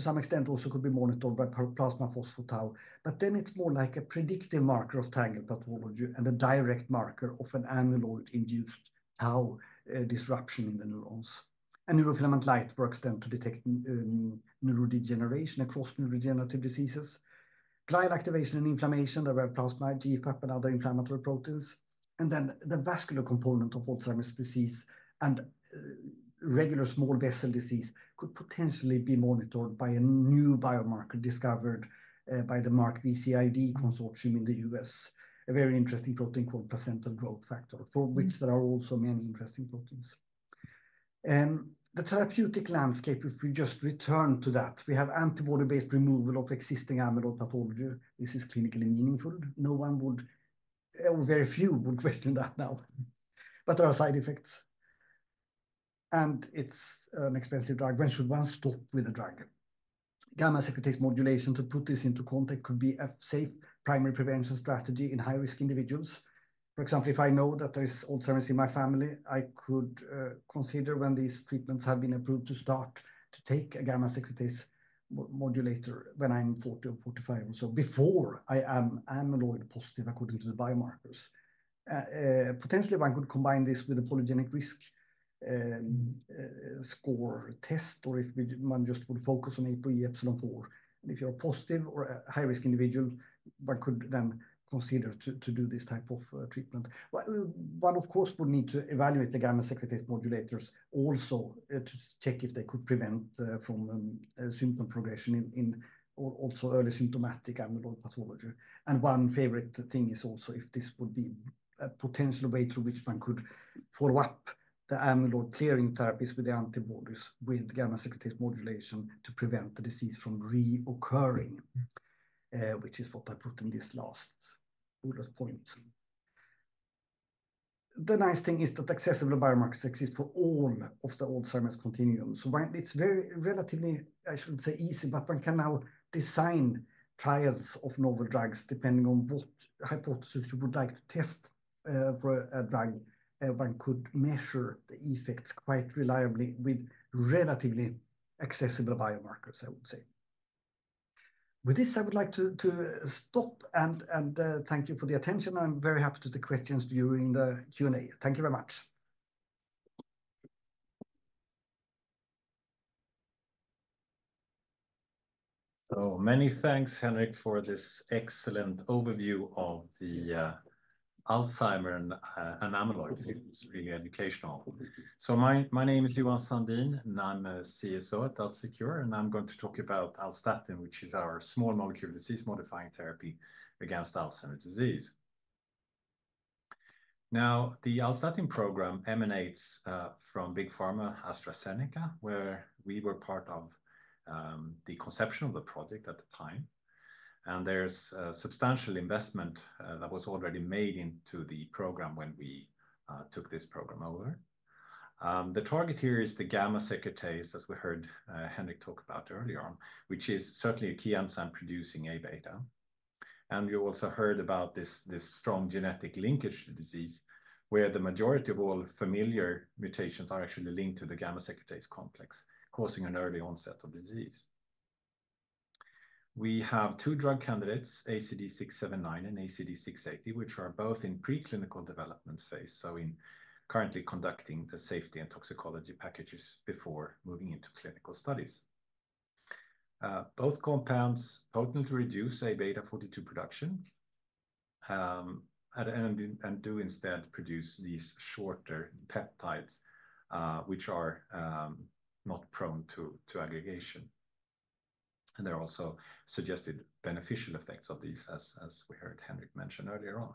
Speaker 3: some extent, also could be monitored by plasma phospho-tau. But then it's more like a predictive marker of tangle pathology and a direct marker of an amyloid-induced tau disruption in the neurons. And neurofilament light works then to detect neurodegeneration across neurodegenerative diseases. Glial activation and inflammation, the plasma GFAP, and other inflammatory proteins. And then the vascular component of Alzheimer's disease and regular small vessel disease could potentially be monitored by a new biomarker discovered by the MarkVCID Consortium in the U.S. A very interesting protein called placental growth factor, for which there are also many interesting proteins. The therapeutic landscape, if we just return to that, we have antibody-based removal of existing amyloid pathology. This is clinically meaningful. No one would, very few would question that now, but there are side effects, and it's an expensive drug. When should one stop with the drug? Gamma-secretase modulation, to put this into context, could be a safe primary prevention strategy in high-risk individuals. For example, if I know that there is Alzheimer's in my family, I could consider when these treatments have been approved to start to take a gamma-secretase modulator when I'm 40 or 45. So before I am amyloid positive, according to the biomarkers. Potentially one could combine this with a polygenic risk score test, or if one just would focus on APOE ε4. And if you're a positive or a high-risk individual, one could then consider to do this type of treatment. Well, one, of course, would need to evaluate the gamma-secretase modulators also to check if they could prevent from symptom progression in or also early symptomatic amyloid pathology. One favorite thing is also if this would be a potential way through which one could follow up the amyloid clearing therapies with the antibodies, with the gamma-secretase modulation to prevent the disease from recurring, which is what I put in this last bullet point. The nice thing is that accessible biomarkers exist for all of the Alzheimer's continuum. So when it's very relatively, I shouldn't say easy, but one can now design trials of novel drugs depending on what hypothesis you would like to test for a drug. One could measure the effects quite reliably with relatively accessible biomarkers, I would say. With this, I would like to stop and thank you for the attention. I'm very happy to the questions during the Q&A. Thank you very much.
Speaker 4: Many thanks, Henrik, for this excellent overview of the Alzheimer and amyloid. It was really educational. My, my name is Johan Sandin, and I'm a CSO at AlzeCure, and I'm going to talk about Alzstatin, which is our small molecule disease-modifying therapy against Alzheimer's disease. Now, the Alzstatin program emanates from Big Pharma AstraZeneca, where we were part of the conception of the project at the time, and there's substantial investment that was already made into the program when we took this program over. The target here is the gamma-secretase, as we heard Henrik talk about earlier on, which is certainly a key enzyme producing A-beta. We also heard about this, this strong genetic linkage to disease, where the majority of all familial mutations are actually linked to the gamma-secretase complex, causing an early onset of disease. We have two drug candidates, ACD679 and ACD680, which are both in preclinical development phase, so we are currently conducting the safety and toxicology packages before moving into clinical studies. Both compounds potently reduce Aβ 42 production, and do instead produce these shorter peptides, which are not prone to aggregation. There are also suggested beneficial effects of these, as we heard Henrik mention earlier on.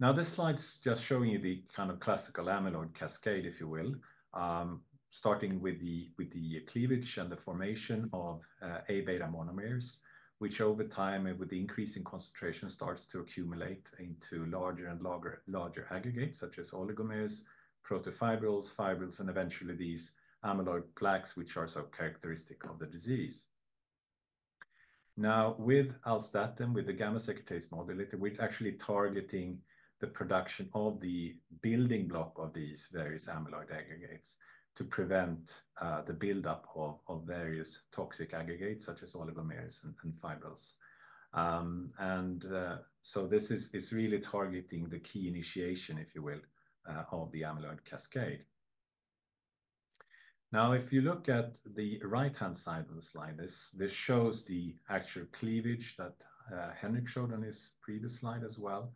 Speaker 4: Now, this slide's just showing you the kind of classical amyloid cascade, if you will. Starting with the, with the cleavage and the formation of Aβ monomers, which over time and with the increase in concentration, starts to accumulate into larger and larger, larger aggregates, such as oligomers, protofibrils, fibrils, and eventually these amyloid plaques, which are so characteristic of the disease. Now, with Alzstatin, with the gamma-secretase modulator, we're actually targeting the production of the building block of these various amyloid aggregates to prevent the buildup of various toxic aggregates, such as oligomers and fibrils. And so this is really targeting the key initiation, if you will, of the amyloid cascade. Now, if you look at the right-hand side of the slide, this shows the actual cleavage that Henrik showed on his previous slide as well.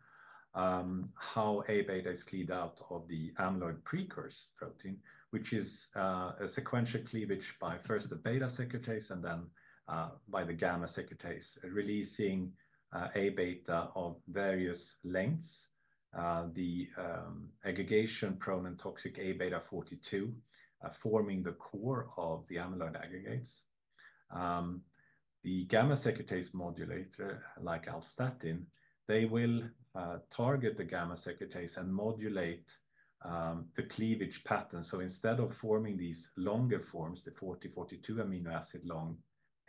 Speaker 4: How Aβ is cleaved out of the amyloid precursor protein, which is a sequential cleavage by first the beta secretase and then by the gamma secretase, releasing Aβ of various lengths. The aggregation-prone and toxic Aβ42 forming the core of the amyloid aggregates. The gamma secretase modulator, like Alzstatin, they will target the gamma secretase and modulate the cleavage pattern. So instead of forming these longer forms, the 40, 42 amino acid long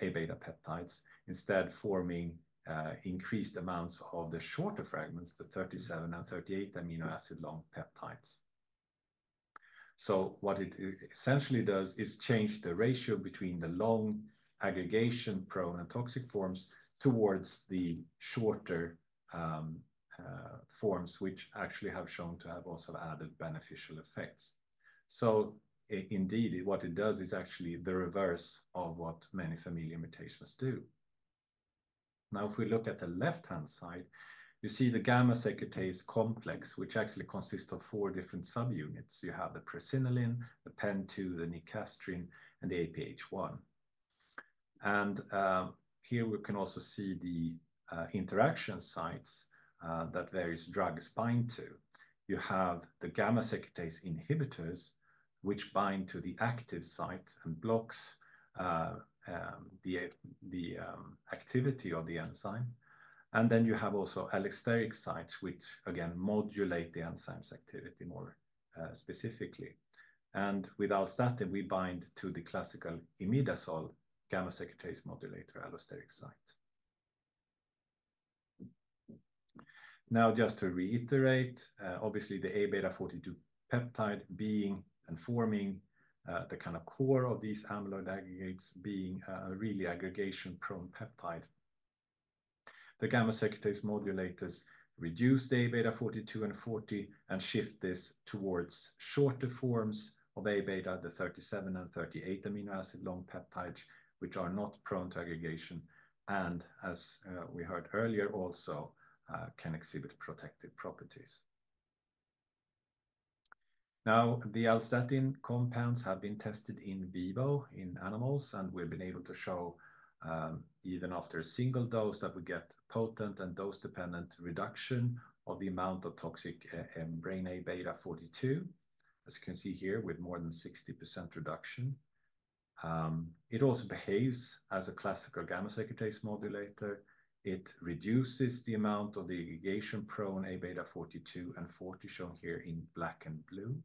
Speaker 4: Aβ peptides, instead forming increased amounts of the shorter fragments, the 37 and 38 amino acid long peptides. So what it, it essentially does is change the ratio between the long aggregation-prone and toxic forms towards the shorter forms, which actually have shown to have also added beneficial effects. So indeed, what it does is actually the reverse of what many familiar mutations do. Now, if we look at the left-hand side, you see the gamma-secretase complex, which actually consists of four different subunits. You have the presenilin, the PEN-2, the nicastrin, and the APH-1. And here we can also see the interaction sites that various drugs bind to. You have the gamma-secretase inhibitors, which bind to the active site and blocks the activity of the enzyme. And then you have also allosteric sites, which, again, modulate the enzyme's activity more specifically. And with Alzstatin, we bind to the classical imidazole gamma-secretase modulator allosteric site. Now, just to reiterate, obviously, the A-beta 42 peptide being and forming the kind of core of these amyloid aggregates being a really aggregation-prone peptide. The gamma-secretase modulators reduce the A-beta 42 and 40 and shift this towards shorter forms of A-beta, the 37- and 38-amino acid long peptides, which are not prone to aggregation, and as we heard earlier, can exhibit protective properties. Now, the Alzstatin compounds have been tested in vivo, in animals, and we've been able to show even after a single dose, that we get potent and dose-dependent reduction of the amount of toxic brain A-beta 42, as you can see here, with more than 60% reduction. It also behaves as a classical gamma-secretase modulator. It reduces the amount of the aggregation-prone A-beta 42 and 40, shown here in black and blue,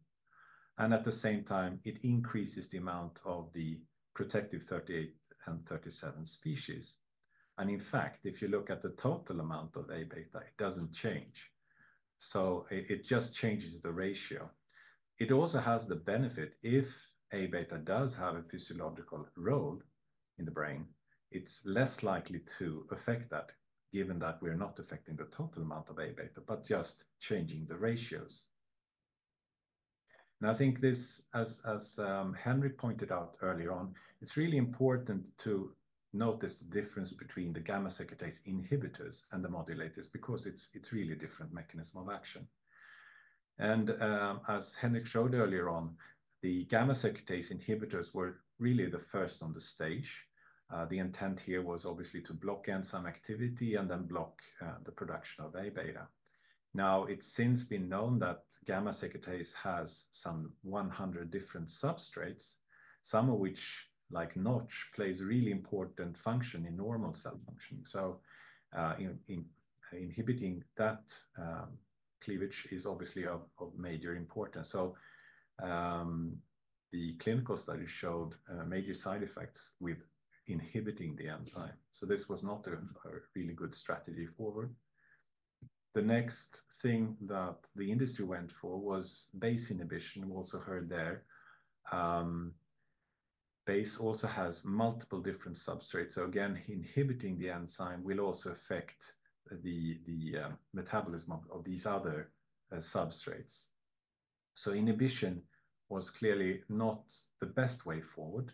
Speaker 4: and at the same time, it increases the amount of the protective 38 and 37 species. In fact, if you look at the total amount of Aβ, it doesn't change. So it just changes the ratio. It also has the benefit, if Aβ does have a physiological role in the brain, it's less likely to affect that, given that we're not affecting the total amount of Aβ, but just changing the ratios. Now, I think this, as Henrik pointed out earlier on, it's really important to notice the difference between the gamma-secretase inhibitors and the modulators, because it's really a different mechanism of action. And, as Henrik showed earlier on, the gamma-secretase inhibitors were really the first on the stage. The intent here was obviously to block enzyme activity and then block the production of Aβ. Now, it's since been known that gamma-secretase has some 100 different substrates, some of which, like Notch, plays a really important function in normal cell function. So, in inhibiting that cleavage is obviously of major importance. So, the clinical study showed major side effects with inhibiting the enzyme, so this was not a really good strategy forward. The next thing that the industry went for was BACE inhibition. We also heard there, BACE also has multiple different substrates. So again, inhibiting the enzyme will also affect the metabolism of these other substrates. Inhibition was clearly not the best way forward,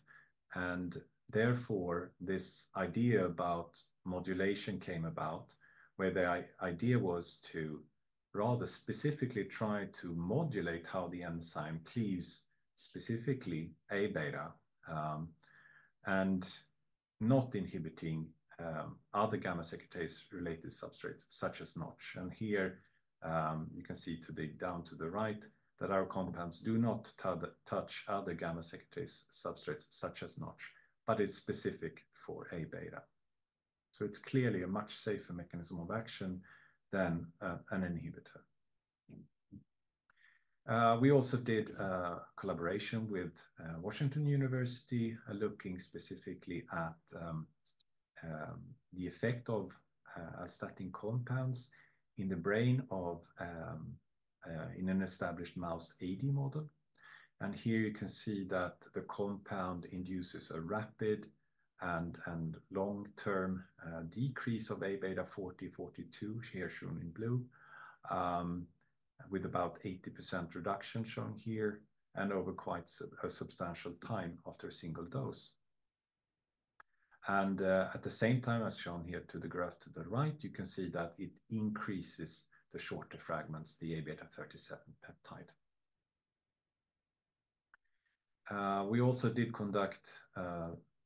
Speaker 4: and therefore, this idea about modulation came about, where the idea was to rather specifically try to modulate how the enzyme cleaves, specifically A-beta, and not inhibiting other gamma-secretase-related substrates, such as Notch. And here, you can see down to the right, that our compounds do not touch other gamma-secretase substrates such as Notch, but it's specific for A-beta. So it's clearly a much safer mechanism of action than an inhibitor. We also did a collaboration with Washington University, looking specifically at the effect of statin compounds in the brain of an established mouse AD model. Here you can see that the compound induces a rapid and long-term decrease of Aβ40, 42, here shown in blue, with about 80% reduction shown here and over quite a substantial time after a single dose. At the same time, as shown here to the graph to the right, you can see that it increases the shorter fragments, the Aβ37 peptide. We also did conduct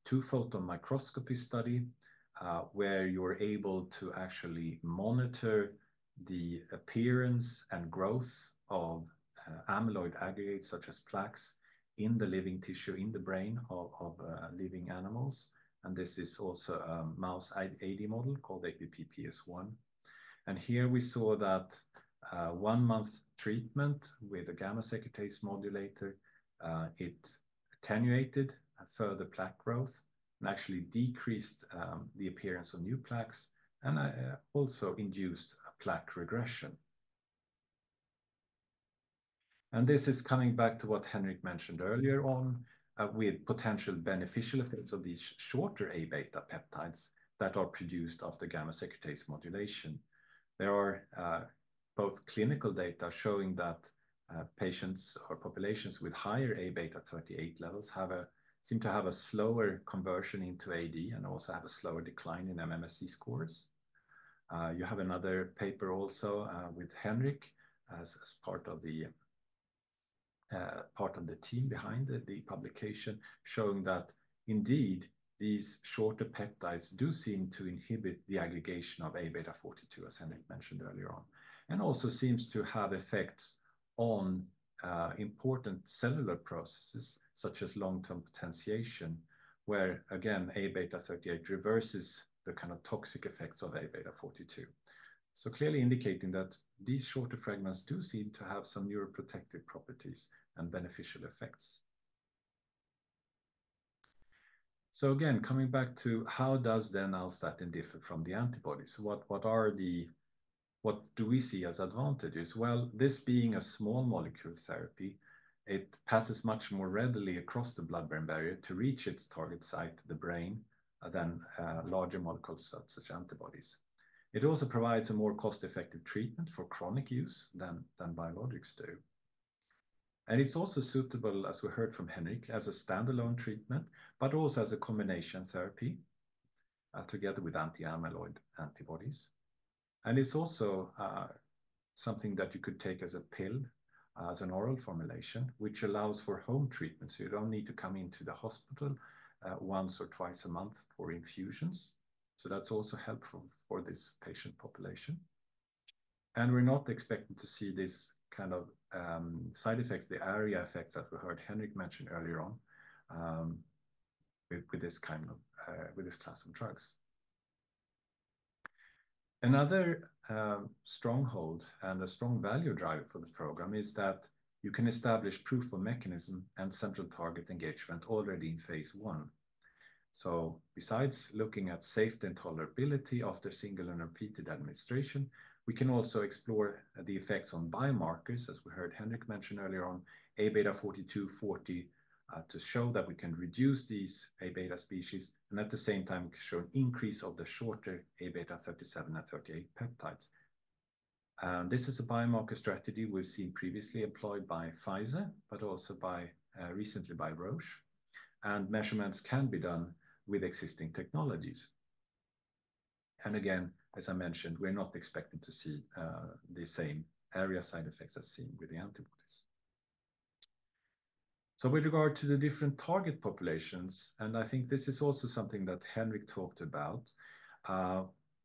Speaker 4: a two-photon microscopy study, where you're able to actually monitor the appearance and growth of amyloid aggregates, such as plaques, in the living tissue, in the brain of living animals. This is also a mouse AD model called APP/PS1. Here we saw that 1-month treatment with a gamma-secretase modulator it attenuated a further plaque growth and actually decreased the appearance of new plaques and also induced a plaque regression. This is coming back to what Henrik mentioned earlier on with potential beneficial effects of these shorter Aβ peptides that are produced after gamma-secretase modulation. There are both clinical data showing that patients or populations with higher Aβ 38 levels have a-- seem to have a slower conversion into AD and also have a slower decline in MMSE scores. You have another paper also with Henrik as part of the team behind the publication, showing that indeed, these shorter peptides do seem to inhibit the aggregation of Aβ42, as Henrik mentioned earlier on, and also seems to have effects on important cellular processes, such as long-term potentiation, where again, Aβ38 reverses the kind of toxic effects of Aβ42. So clearly indicating that these shorter fragments do seem to have some neuroprotective properties and beneficial effects. So again, coming back to how does the Alzstatin differ from the antibodies? What are the... what do we see as advantages? Well, this being a small molecule therapy, it passes much more readily across the blood-brain barrier to reach its target site, the brain, than larger molecules such as antibodies. It also provides a more cost-effective treatment for chronic use than biologics do. And it's also suitable, as we heard from Henrik, as a standalone treatment, but also as a combination therapy together with anti-amyloid antibodies. And it's also something that you could take as a pill, as an oral formulation, which allows for home treatment, so you don't need to come into the hospital once or twice a month for infusions. So that's also helpful for this patient population. And we're not expecting to see this kind of side effects, the ARIA effects that we heard Henrik mention earlier on, with this class of drugs. Another stronghold and a strong value driver for the program is that you can establish proof of mechanism and central target engagement already in phase one. So besides looking at safety and tolerability after single and repeated administration, we can also explore the effects on biomarkers, as we heard Henrik mention earlier on, Aβ42/40, to show that we can reduce these Aβ species, and at the same time, we can show an increase of the shorter Aβ37 and Aβ38 peptides. This is a biomarker strategy we've seen previously employed by Pfizer, but also by, recently by Roche. And measurements can be done with existing technologies. And again, as I mentioned, we're not expecting to see the same ARIA side effects as seen with the antibodies. So with regard to the different target populations, and I think this is also something that Henrik talked about,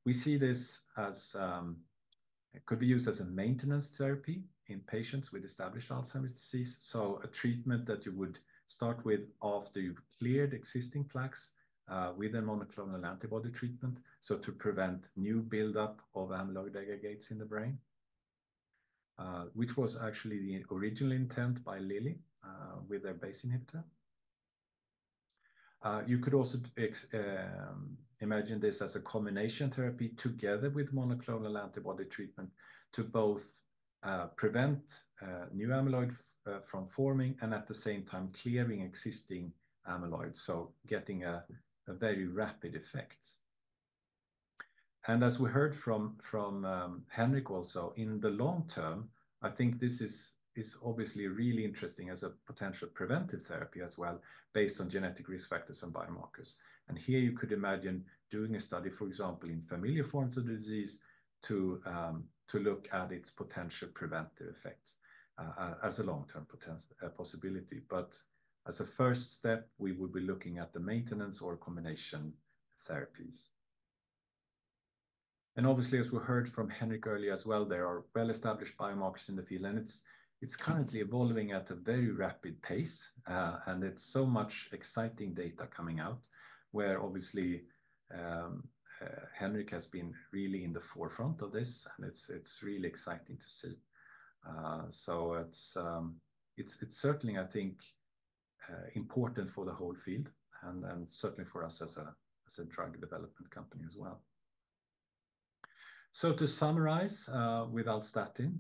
Speaker 4: we see this as it could be used as a maintenance therapy in patients with established Alzheimer's disease. So a treatment that you would start with after you've cleared existing plaques, with a monoclonal antibody treatment, so to prevent new buildup of amyloid aggregates in the brain, which was actually the original intent by Lilly, with their BACE inhibitor. You could also imagine this as a combination therapy together with monoclonal antibody treatment to both, prevent, new amyloid from forming and at the same time, clearing existing amyloid, so getting a very rapid effect. And as we heard from Henrik also, in the long term, I think this is obviously really interesting as a potential preventive therapy as well, based on genetic risk factors and biomarkers. And here you could imagine doing a study, for example, in familial forms of the disease, to, to look at its potential preventive effects, as a long-term potential possibility. But as a first step, we would be looking at the maintenance or combination therapies. And obviously, as we heard from Henrik earlier as well, there are well-established biomarkers in the field, and it's, it's currently evolving at a very rapid pace. And it's so much exciting data coming out, where obviously, Henrik has been really in the forefront of this, and it's, it's really exciting to see. So it's, it's certainly, I think, important for the whole field and, and certainly for us as a, as a drug development company as well. To summarize, with Alzstatin,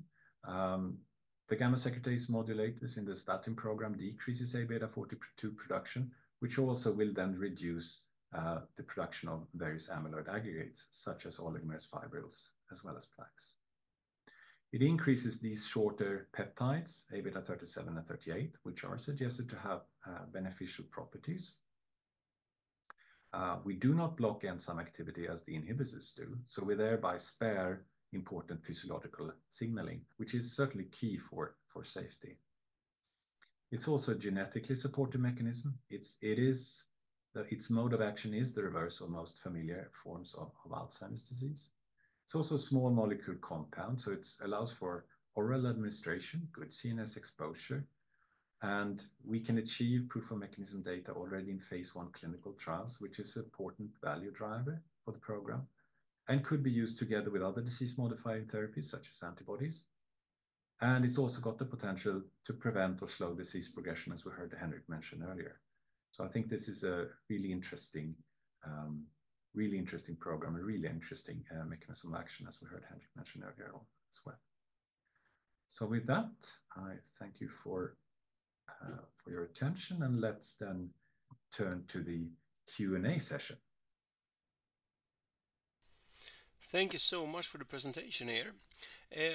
Speaker 4: the gamma-secretase modulators in the Alzstatin program decreases Aβ42 production, which also will then reduce the production of various amyloid aggregates, such as oligomers, fibrils, as well as plaques. It increases these shorter peptides, Aβ37 and 38, which are suggested to have beneficial properties. We do not block Notch activity as the inhibitors do, so we thereby spare important physiological signaling, which is certainly key for safety. It's also a genetically supported mechanism. It is its mode of action is the reversal most familial forms of Alzheimer's disease. It's also a small molecule compound, so it allows for oral administration, good CNS exposure, and we can achieve proof of mechanism data already in phase one clinical trials, which is an important value driver for the program. could be used together with other disease-modifying therapies, such as antibodies. It's also got the potential to prevent or slow disease progression, as we heard Henrik mention earlier. So I think this is a really interesting, really interesting program, a really interesting, mechanism of action, as we heard Henrik mention earlier on as well. So with that, I thank you for your attention, and let's then turn to the Q&A session.
Speaker 1: Thank you so much for the presentation here.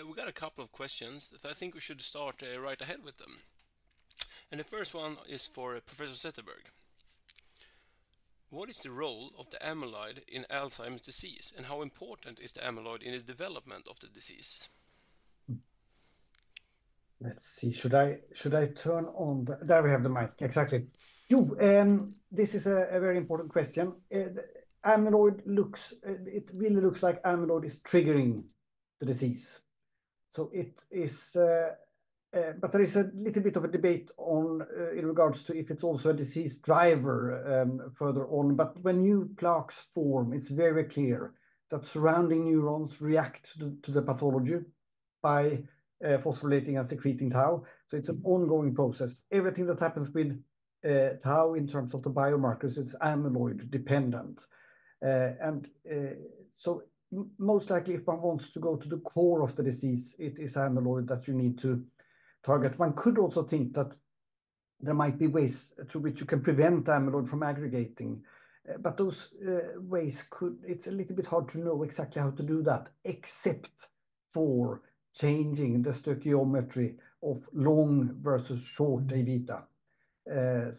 Speaker 1: We got a couple of questions that I think we should start right ahead with them. The first one is for Professor Zetterberg. What is the role of the amyloid in Alzheimer's disease, and how important is the amyloid in the development of the disease?
Speaker 3: Let's see. Should I, should I turn on the... There we have the mic. Exactly. Yo! This is a very important question. Amyloid looks, it really looks like amyloid is triggering the disease. So it is. But there is a little bit of a debate on, in regards to if it's also a disease driver, further on. But when new plaques form, it's very clear that surrounding neurons react to the, to the pathology by, phosphorylating and secreting tau. So it's an ongoing process. Everything that happens with, tau in terms of the biomarkers is amyloid dependent. And, so most likely, if one wants to go to the core of the disease, it is amyloid that you need to target. One could also think that there might be ways through which you can prevent amyloid from aggregating, but those, it's a little bit hard to know exactly how to do that, except for changing the stoichiometry of long versus short A-beta.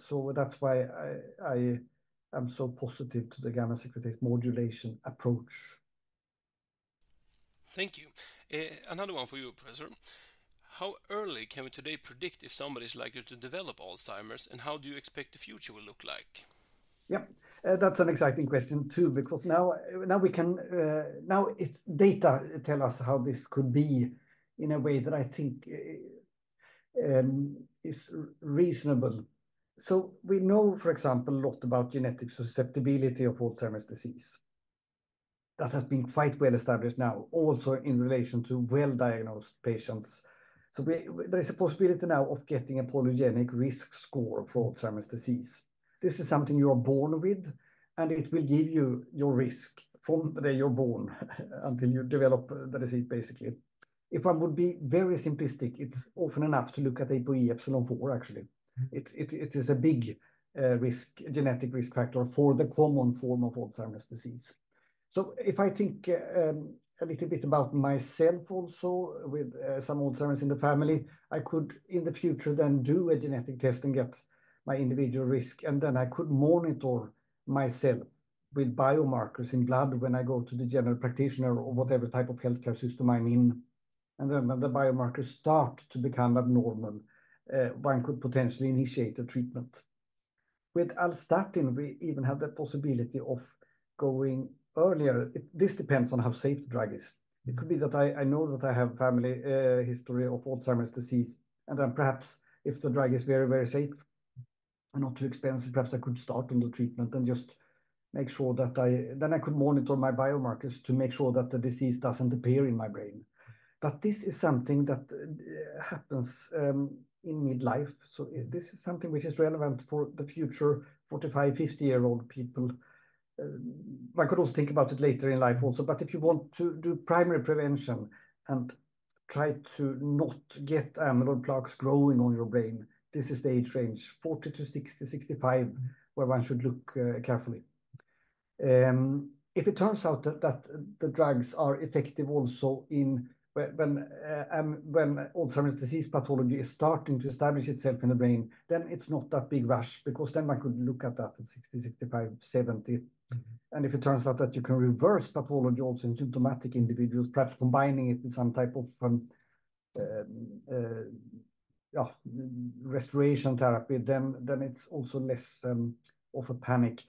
Speaker 3: So that's why I am so positive to the gamma-secretase modulation approach.
Speaker 1: Thank you. Another one for you, Professor. How early can we today predict if somebody's likely to develop Alzheimer's, and how do you expect the future will look like?
Speaker 3: Yep. That's an exciting question, too, because now the data tell us how this could be in a way that I think is reasonable. So we know, for example, a lot about genetic susceptibility of Alzheimer's disease. That has been quite well established now, also in relation to well-diagnosed patients. So we, there is a possibility now of getting a polygenic risk score for Alzheimer's disease. This is something you are born with, and it will give you your risk from the day you're born until you develop the disease, basically. If I would be very simplistic, it's often enough to look at APOE ε4, actually. It is a big risk, genetic risk factor for the common form of Alzheimer's disease. So if I think a little bit about myself also with some Alzheimer's in the family, I could, in the future, then do a genetic test and get my individual risk, and then I could monitor myself with biomarkers in blood when I go to the general practitioner or whatever type of healthcare system I'm in... and then when the biomarkers start to become abnormal, one could potentially initiate the treatment. With Alzstatin, we even have the possibility of going earlier. This depends on how safe the drug is. It could be that I know that I have family history of Alzheimer's disease, and then perhaps if the drug is very, very safe and not too expensive, perhaps I could start on the treatment and just make sure that I then I could monitor my biomarkers to make sure that the disease doesn't appear in my brain. But this is something that happens in midlife. So this is something which is relevant for the future 45-, 50-year-old people. One could also think about it later in life also, but if you want to do primary prevention and try to not get amyloid plaques growing on your brain, this is the age range, 40-60, 65, where one should look carefully. If it turns out that the drugs are effective when Alzheimer's disease pathology is starting to establish itself in the brain, then it's not that big rush, because then one could look at that at 60, 65, 70. And if it turns out that you can reverse pathology also in symptomatic individuals, perhaps combining it with some type of restoration therapy, then it's also less of a panic.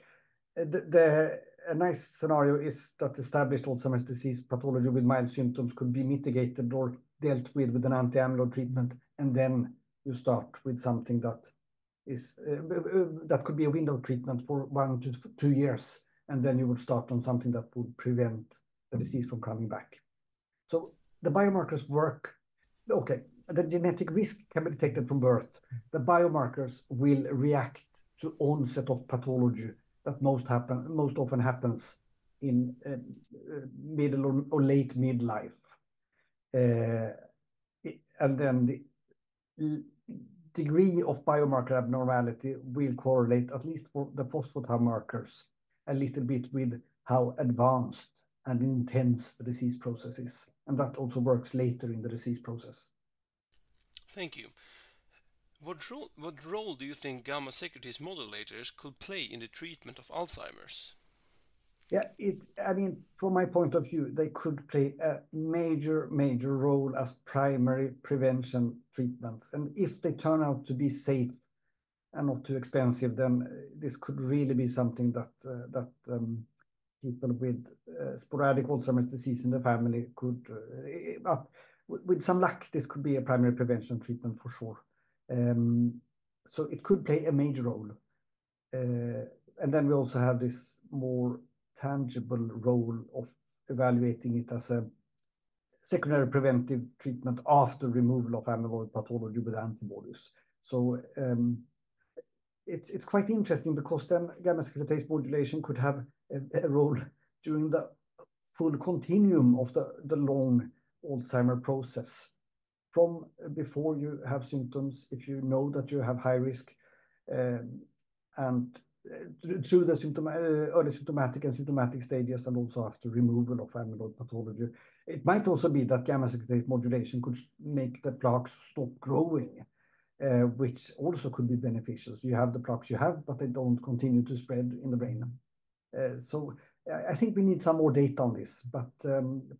Speaker 3: A nice scenario is that established Alzheimer's disease pathology with mild symptoms could be mitigated or dealt with with an anti-amyloid treatment, and then you start with something that could be a window of treatment for 1-2 years, and then you would start on something that would prevent the disease from coming back. So the biomarkers work. Okay, the genetic risk can be detected from birth. The biomarkers will react to onset of pathology that most often happens in middle or late midlife. And then the degree of biomarker abnormality will correlate at least for the phospho biomarkers a little bit with how advanced and intense the disease process is, and that also works later in the disease process.
Speaker 1: Thank you. What role, what role do you think gamma-secretase modulators could play in the treatment of Alzheimer's?
Speaker 3: Yeah, I mean, from my point of view, they could play a major, major role as primary prevention treatments. And if they turn out to be safe and not too expensive, then this could really be something that people with some luck, this could be a primary prevention treatment for sure. So it could play a major role. And then we also have this more tangible role of evaluating it as a secondary preventive treatment after removal of amyloid pathology with antibodies. So it's quite interesting because then gamma-secretase modulation could have a role during the full continuum of the long Alzheimer's process. From before you have symptoms, if you know that you have high risk, and through the early symptomatic and symptomatic stages, and also after removal of amyloid pathology. It might also be that gamma-secretase modulation could make the plaques stop growing, which also could be beneficial. You have the plaques you have, but they don't continue to spread in the brain. So I, I think we need some more data on this, but,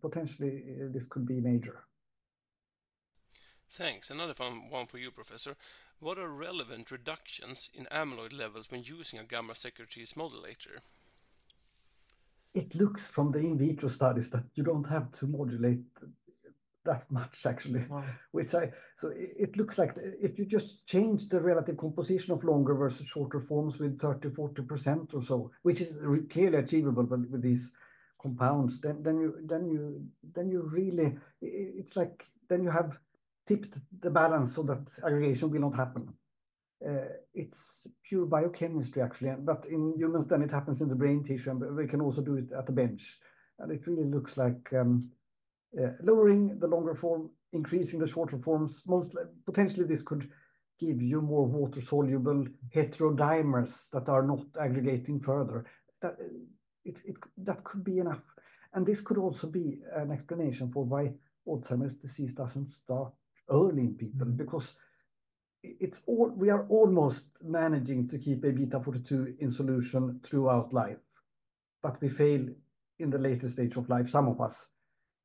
Speaker 3: potentially, this could be major.
Speaker 1: Thanks. Another one for you, Professor. What are relevant reductions in amyloid levels when using a gamma-secretase modulator?
Speaker 3: It looks from the in vitro studies that you don't have to modulate that much, actually.
Speaker 1: Wow.
Speaker 3: So it looks like if you just change the relative composition of longer versus shorter forms with 30, 40% or so, which is clearly achievable with these compounds, then you really... It's like, then you have tipped the balance so that aggregation will not happen. It's pure biochemistry, actually, but in humans, then it happens in the brain tissue, and we can also do it at the bench. And it really looks like lowering the longer form, increasing the shorter forms, most likely, potentially, this could give you more water-soluble heterodimers that are not aggregating further. That could be enough. And this could also be an explanation for why Alzheimer's disease doesn't start early in people, because we are almost managing to keep Aβ42 in solution throughout life, but we fail in the later stage of life, some of us.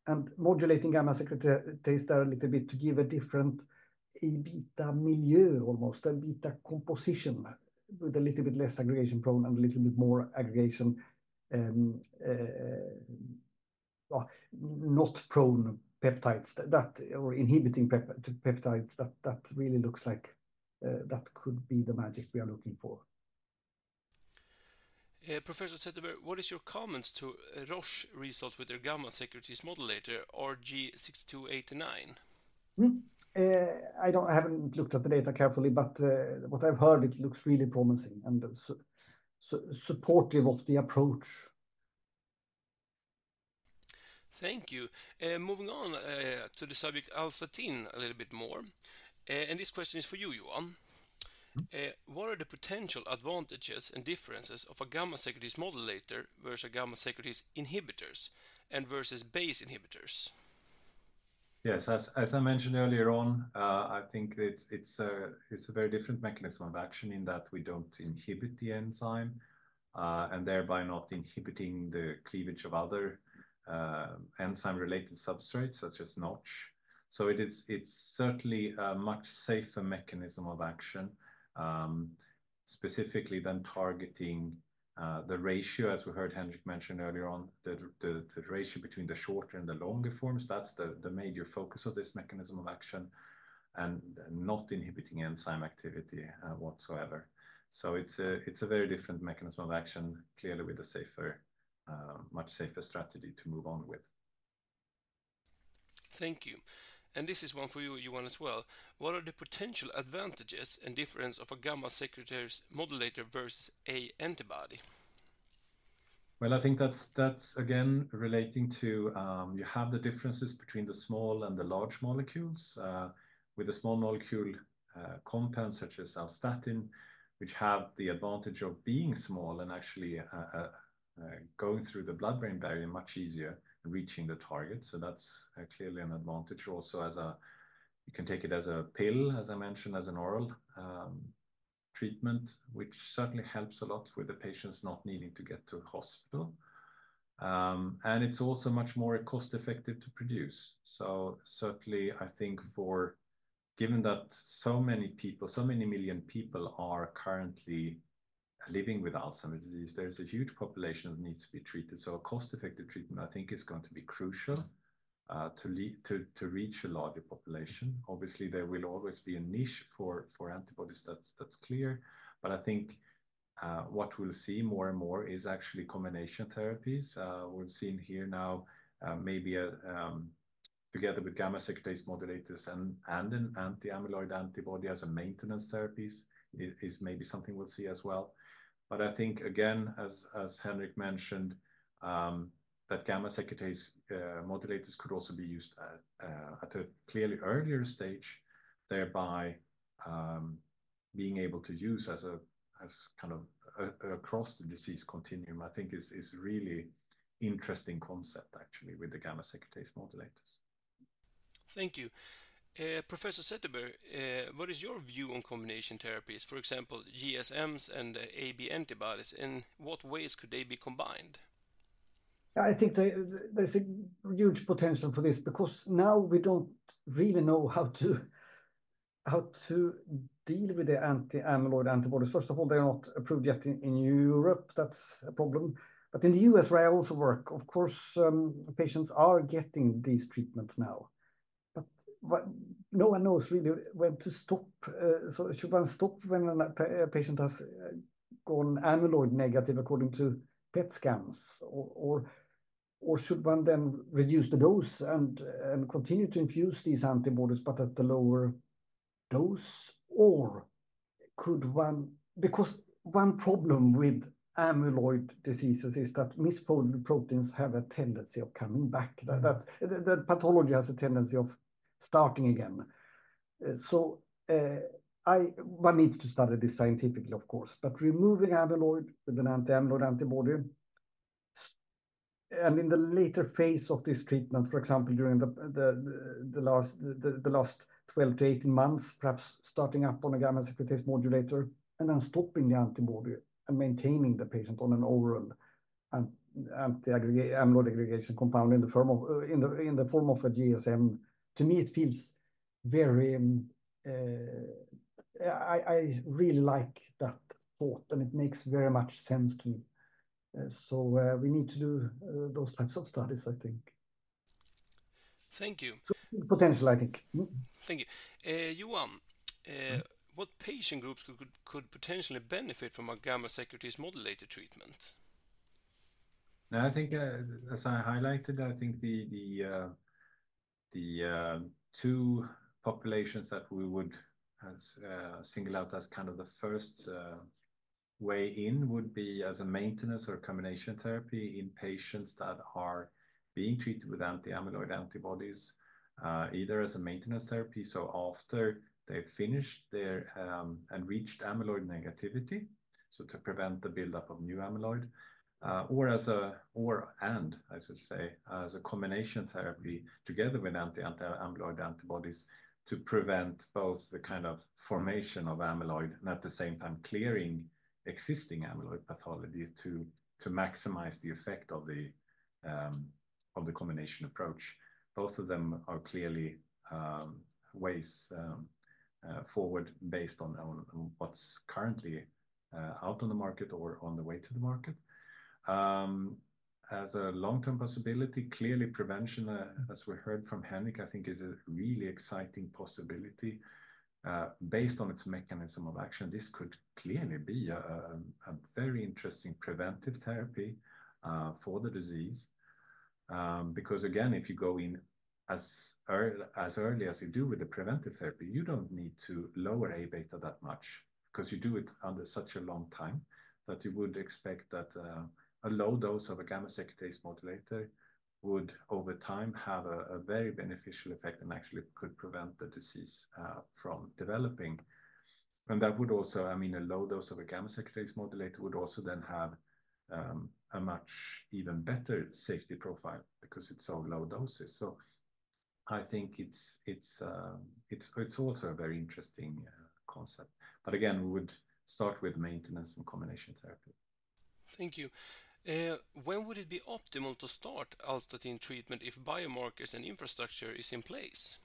Speaker 3: And modulating gamma-secretase a little bit to give a different A beta milieu, almost, A beta composition, with a little bit less aggregation-prone and a little bit more aggregation, well, not prone peptides, that or inhibiting peptides, that, that really looks like, that could be the magic we are looking for.
Speaker 1: Professor Zetterberg, what is your comments to Roche result with their gamma-secretase modulator, RG6289?
Speaker 3: I haven't looked at the data carefully, but what I've heard, it looks really promising and supportive of the approach.
Speaker 1: Thank you. Moving on, to the subject Alzstatin a little bit more, and this question is for you, Johan.
Speaker 4: Mm-hmm.
Speaker 1: What are the potential advantages and differences of a gamma-secretase modulator versus gamma-secretase inhibitors and versus BACE inhibitors?
Speaker 4: Yes, as I mentioned earlier on, I think it's a very different mechanism of action in that we don't inhibit the enzyme, and thereby not inhibiting the cleavage of other enzyme-related substrates, such as Notch. So it is certainly a much safer mechanism of action, specifically than targeting the ratio, as we heard Henrik mention earlier on, the ratio between the shorter and the longer forms. That's the major focus of this mechanism of action, and not inhibiting enzyme activity whatsoever. So it's a very different mechanism of action, clearly with a much safer strategy to move on with.
Speaker 1: Thank you. And this is one for you, Johan, as well. What are the potential advantages and difference of a gamma-secretase modulator versus a antibody?
Speaker 4: Well, I think that's, that's again, relating to, you have the differences between the small and the large molecules. With a small molecule compound, such as Alzstatin, which have the advantage of being small and actually going through the blood-brain barrier much easier and reaching the target. So that's clearly an advantage. Also, as a- you can take it as a pill, as I mentioned, as an oral treatment, which certainly helps a lot with the patients not needing to get to a hospital. And it's also much more cost-effective to produce. So certainly, I think for... Given that so many people, so many million people are currently living with Alzheimer's disease, there's a huge population that needs to be treated. So a cost-effective treatment, I think, is going to be crucial, to lead, to, to reach a larger population. Obviously, there will always be a niche for, for antibodies. That's, that's clear. But I think, what we'll see more and more is actually combination therapies. We're seeing here now, maybe a, together with gamma secretase modulators and, and an anti-amyloid antibody as a maintenance therapies is, is maybe something we'll see as well. But I think, again, as, as Henrik mentioned, that gamma secretase modulators could also be used at, at a clearly earlier stage, thereby, being able to use as a, as kind of a, across the disease continuum, I think is, is really interesting concept, actually, with the gamma secretase modulators.
Speaker 1: Thank you. Professor Zetterberg, what is your view on combination therapies, for example, GSMs and AB antibodies, and what ways could they be combined?
Speaker 3: I think there's a huge potential for this because now we don't really know how to deal with the anti-amyloid antibodies. First of all, they're not approved yet in Europe. That's a problem. But in the U.S., where I also work, of course, patients are getting these treatments now. But no one knows really when to stop. So should one stop when a patient has gone amyloid negative according to PET scans, or should one then reduce the dose and continue to infuse these antibodies, but at a lower dose? Or could one... Because one problem with amyloid diseases is that misfolded proteins have a tendency of coming back. The pathology has a tendency of starting again. One needs to study this scientifically, of course. But removing amyloid with an anti-amyloid antibody, and in the later phase of this treatment, for example, during the last 12-18 months, perhaps starting up on a gamma-secretase modulator and then stopping the antibody and maintaining the patient on an overall anti-aggregation amyloid compound in the form of a GSM, to me, it feels very... I really like that thought, and it makes very much sense to me. So, we need to do those types of studies, I think.
Speaker 1: Thank you.
Speaker 3: Potential, I think. Mm-hmm.
Speaker 1: Thank you. Johan, what patient groups could potentially benefit from a gamma-secretase modulator treatment?
Speaker 4: I think, as I highlighted, I think the two populations that we would single out as kind of the first way in would be as a maintenance or combination therapy in patients that are being treated with anti-amyloid antibodies, either as a maintenance therapy, so after they've finished their and reached amyloid negativity, so to prevent the buildup of new amyloid, or, and I should say, as a combination therapy together with anti-amyloid antibodies, to prevent both the kind of formation of amyloid and at the same time clearing existing amyloid pathology to maximize the effect of the combination approach. Both of them are clearly ways forward based on what's currently out on the market or on the way to the market. As a long-term possibility, clearly, prevention, as we heard from Henrik, I think is a really exciting possibility. Based on its mechanism of action, this could clearly be a, a very interesting preventive therapy, for the disease. Because again, if you go in as early as you do with the preventive therapy, you don't need to lower A beta that much, 'cause you do it under such a long time, that you would expect that, a low dose of a gamma-secretase modulator would, over time, have a, a very beneficial effect and actually could prevent the disease, from developing. And that would also... I mean, a low dose of a gamma-secretase modulator would also then have, a much even better safety profile because it's so low doses. So I think it's also a very interesting concept. But again, we would start with maintenance and combination therapy....
Speaker 1: Thank you. When would it be optimal to start Alzstatin treatment if biomarkers and infrastructure is in place?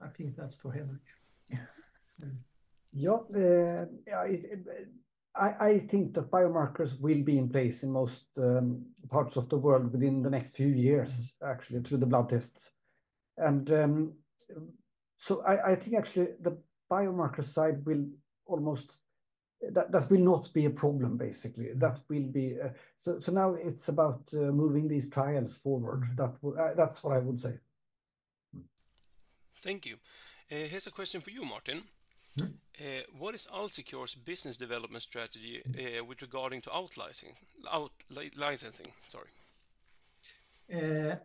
Speaker 2: I think that's for Henrik.
Speaker 3: Yeah. Yeah, I think the biomarkers will be in place in most parts of the world within the next few years, actually, through the blood tests. And so I think actually the biomarker side will almost... That will not be a problem, basically. That will be... So now it's about moving these trials forward. That's what I would say.
Speaker 1: Thank you. Here's a question for you, Martin.
Speaker 2: Mm-hmm.
Speaker 1: What is AlzeCure's business development strategy with regard to out-licensing? Sorry.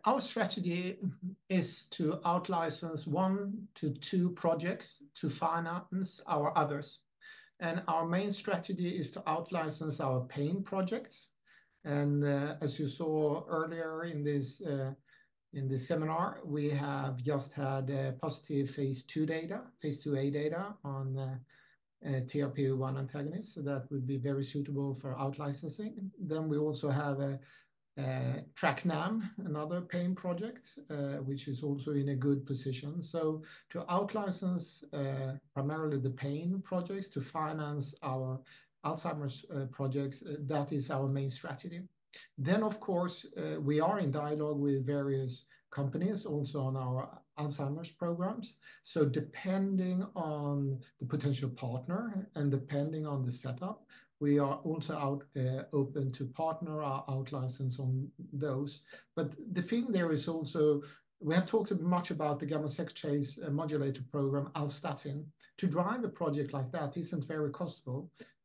Speaker 2: Our strategy is to out-license 1-2 projects to finance our others, and our main strategy is to out-license our pain projects. As you saw earlier in this seminar, we have just had a positive phase 2 data, phase 2a data on TRPV1 antagonist. So that would be very suitable for out-licensing. Then we also have a TrkA-NAM, another pain project, which is also in a good position. So to out-license primarily the pain projects, to finance our Alzheimer's projects, that is our main strategy. Then, of course, we are in dialogue with various companies also on our Alzheimer's programs. So depending on the potential partner and depending on the setup, we are also open to partner or out-license on those. But the thing there is also, we have talked much about the gamma-secretase modulator program, Alzstatin. To drive a project like that isn't very costly.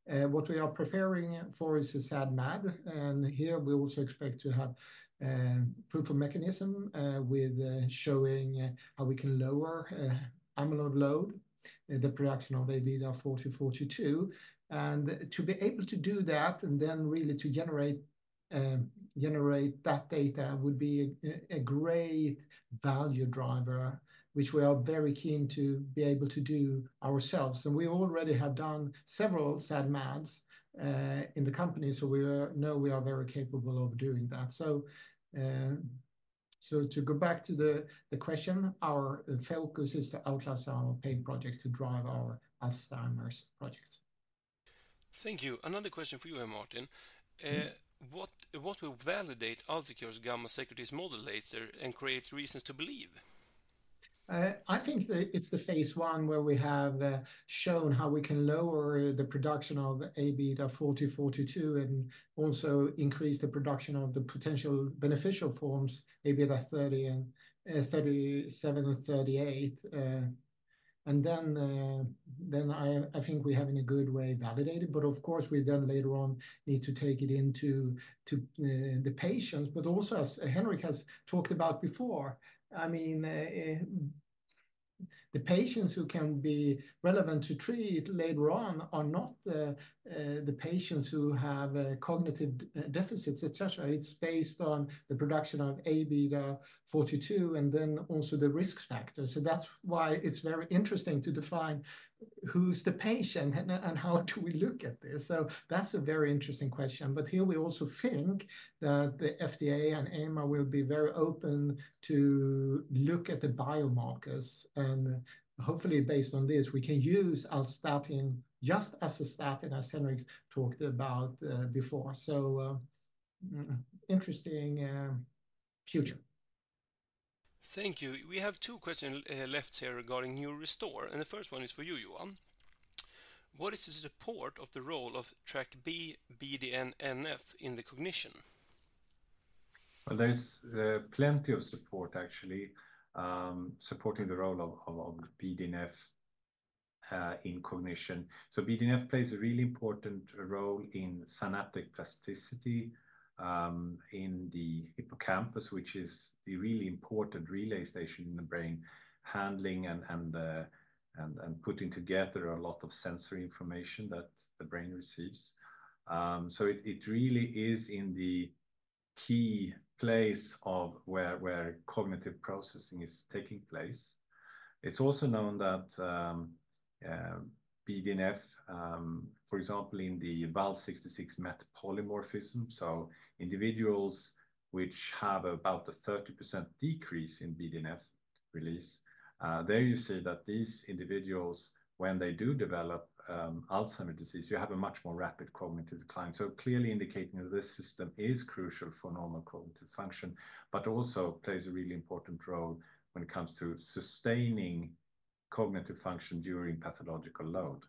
Speaker 2: What we are preparing for is a SAD/MAD, and here we also expect to have proof of mechanism with showing how we can lower amyloid load, the production of Aβ40, Aβ42. And to be able to do that, and then really to generate generate that data would be a great value driver, which we are very keen to be able to do ourselves. And we already have done several SAD/MADs in the company, so we know we are very capable of doing that. So to go back to the question, our focus is to out-license our pain projects to drive our Alzheimer's projects.
Speaker 1: Thank you. Another question for you here, Martin.
Speaker 2: Mm-hmm.
Speaker 1: What will validate AlzeCure's gamma-secretase modulator and creates reasons to believe?
Speaker 2: I think that it's the phase one where we have shown how we can lower the production of Aβ40, Aβ42, and also increase the production of the potential beneficial forms, Aβ30 and 37 and 38. And then, then I think we have, in a good way, validated. But of course, we then later on need to take it into the patients. But also, as Henrik has talked about before, I mean, the patients who can be relevant to treat later on are not the patients who have cognitive deficits, et cetera. It's based on the production of Aβ42 and then also the risk factors. So that's why it's very interesting to define who's the patient and how do we look at this. So that's a very interesting question. But here we also think that the FDA and EMA will be very open to look at the biomarkers, and hopefully based on this, we can use Alzstatin just as a statin, as Henrik talked about before. So, interesting future.
Speaker 1: Thank you. We have two questions left here regarding NeuroRestore, and the first one is for you, Johan. What is the support of the role of TrkB, BDNF in the cognition?
Speaker 4: Well, there is plenty of support actually supporting the role of BDNF in cognition. So BDNF plays a really important role in synaptic plasticity in the hippocampus, which is the really important relay station in the brain, handling and putting together a lot of sensory information that the brain receives. So it really is in the key place where cognitive processing is taking place. It's also known that BDNF, for example, in the Val66Met polymorphism, so individuals which have about a 30% decrease in BDNF release, there you see that these individuals, when they do develop Alzheimer's disease, you have a much more rapid cognitive decline. So clearly indicating that this system is crucial for normal cognitive function, but also plays a really important role when it comes to sustaining cognitive function during pathological load.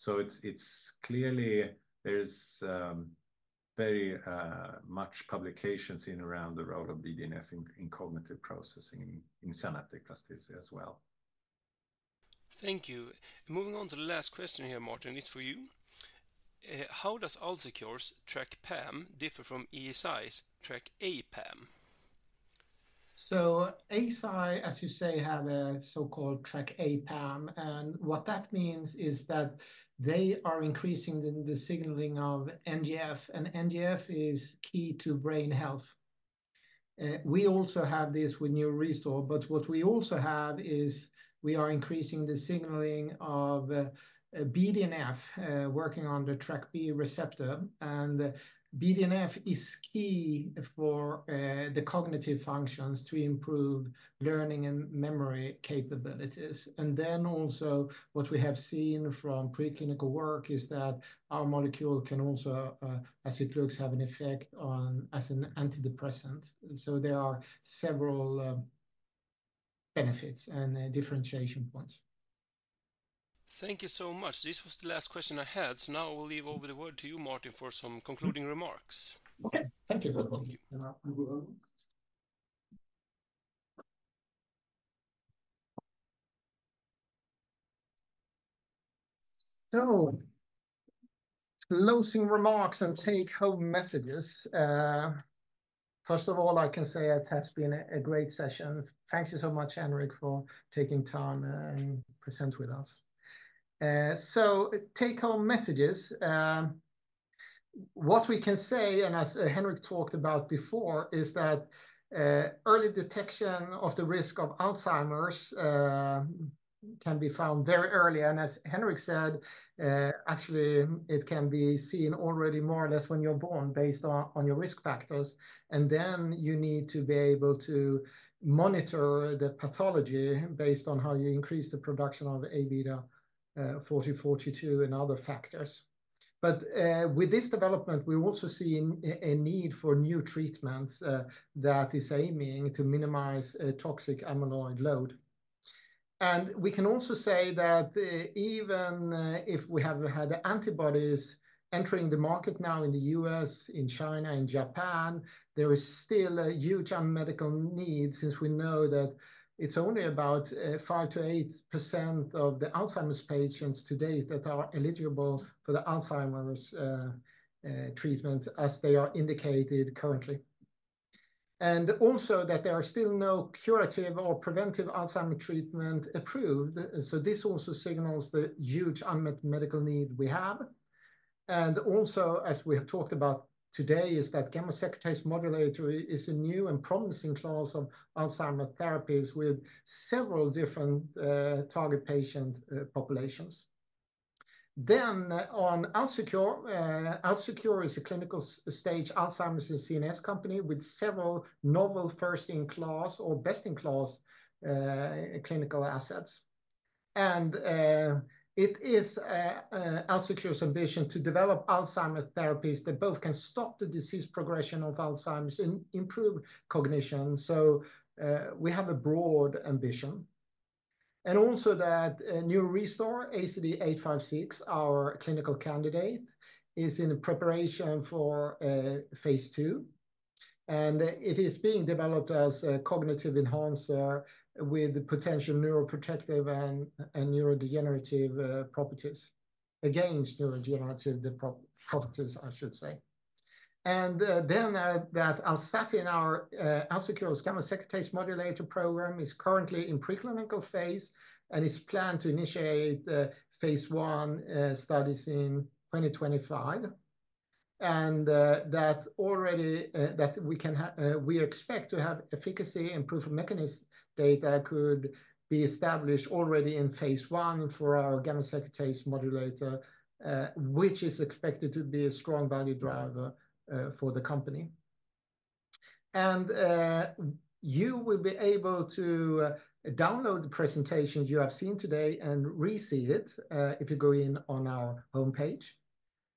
Speaker 4: So it's clearly there's very much publications in around the role of BDNF in cognitive processing, in synaptic plasticity as well.
Speaker 1: Thank you. Moving on to the last question here, Martin, it's for you. How does AlzeCure's TrkA-PAM differ from Eisai's TrkA-PAM?
Speaker 2: So Eisai, as you say, have a so-called TrkA-PAM, and what that means is that they are increasing the signaling of NGF, and NGF is key to brain health. We also have this with NeuroRestore, but what we also have is we are increasing the signaling of BDNF, working on the TrkB receptor. And BDNF is key for the cognitive functions to improve learning and memory capabilities. And then also, what we have seen from preclinical work is that our molecule can also, as it looks, have an effect on, as an antidepressant. So there are several benefits and differentiation points.
Speaker 1: Thank you so much. This was the last question I had, so now I will hand over the word to you, Martin, for some concluding remarks.
Speaker 2: Okay. Thank you, Henrik.
Speaker 1: Thank you.
Speaker 2: Closing remarks and take-home messages. First of all, I can say it has been a great session. Thank you so much, Henrik, for taking time and present with us. So take-home messages, what we can say, and as Henrik talked about before, is that early detection of the risk of Alzheimer's can be found very early. And as Henrik said, actually it can be seen already more or less when you're born, based on your risk factors. And then you need to be able to monitor the pathology based on how you increase the production of Aβ 40/42 and other factors. But with this development, we're also seeing a need for new treatments that is aiming to minimize a toxic amyloid load. We can also say that even if we have had antibodies entering the market now in the U.S., in China, and Japan, there is still a huge unmet medical need since we know that it's only about 5%-8% of the Alzheimer's patients today that are eligible for the Alzheimer's treatment as they are indicated currently. And also, that there are still no curative or preventive Alzheimer's treatment approved, so this also signals the huge unmet medical need we have. And also, as we have talked about today, is that gamma-secretase modulator is a new and promising class of Alzheimer's therapies with several different target patient populations. Then on AlzeCure, AlzeCure is a clinical-stage Alzheimer's and CNS company with several novel first-in-class or best-in-class clinical assets. It is AlzeCure's ambition to develop Alzheimer's therapies that both can stop the disease progression of Alzheimer's and improve cognition, so we have a broad ambition. Also, that NeuroRestore ACD856, our clinical candidate, is in preparation for phase II, and it is being developed as a cognitive enhancer with potential neuroprotective and neurodegenerative properties. Neuroprotective properties, I should say. Then, that Alzstatin in our AlzeCure's gamma-secretase modulator program is currently in preclinical phase and is planned to initiate phase I studies in 2025. That we expect to have efficacy and proof of mechanism data could be established already in phase I for our gamma-secretase modulator, which is expected to be a strong value driver for the company. You will be able to download the presentations you have seen today and re-see it if you go in on our homepage.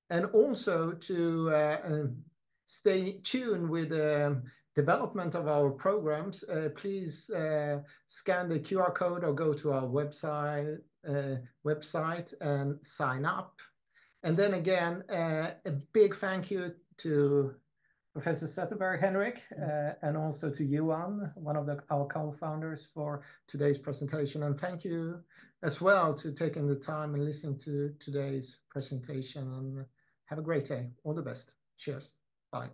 Speaker 2: And also, to stay tuned with the development of our programs, please scan the QR code or go to our website and sign up. And then again, a big thank you to Professor Zetterberg, Henrik, and also to Johan, one of the our co-founders, for today's presentation. And thank you as well to taking the time and listening to today's presentation, and have a great day. All the best. Cheers. Bye. Bye.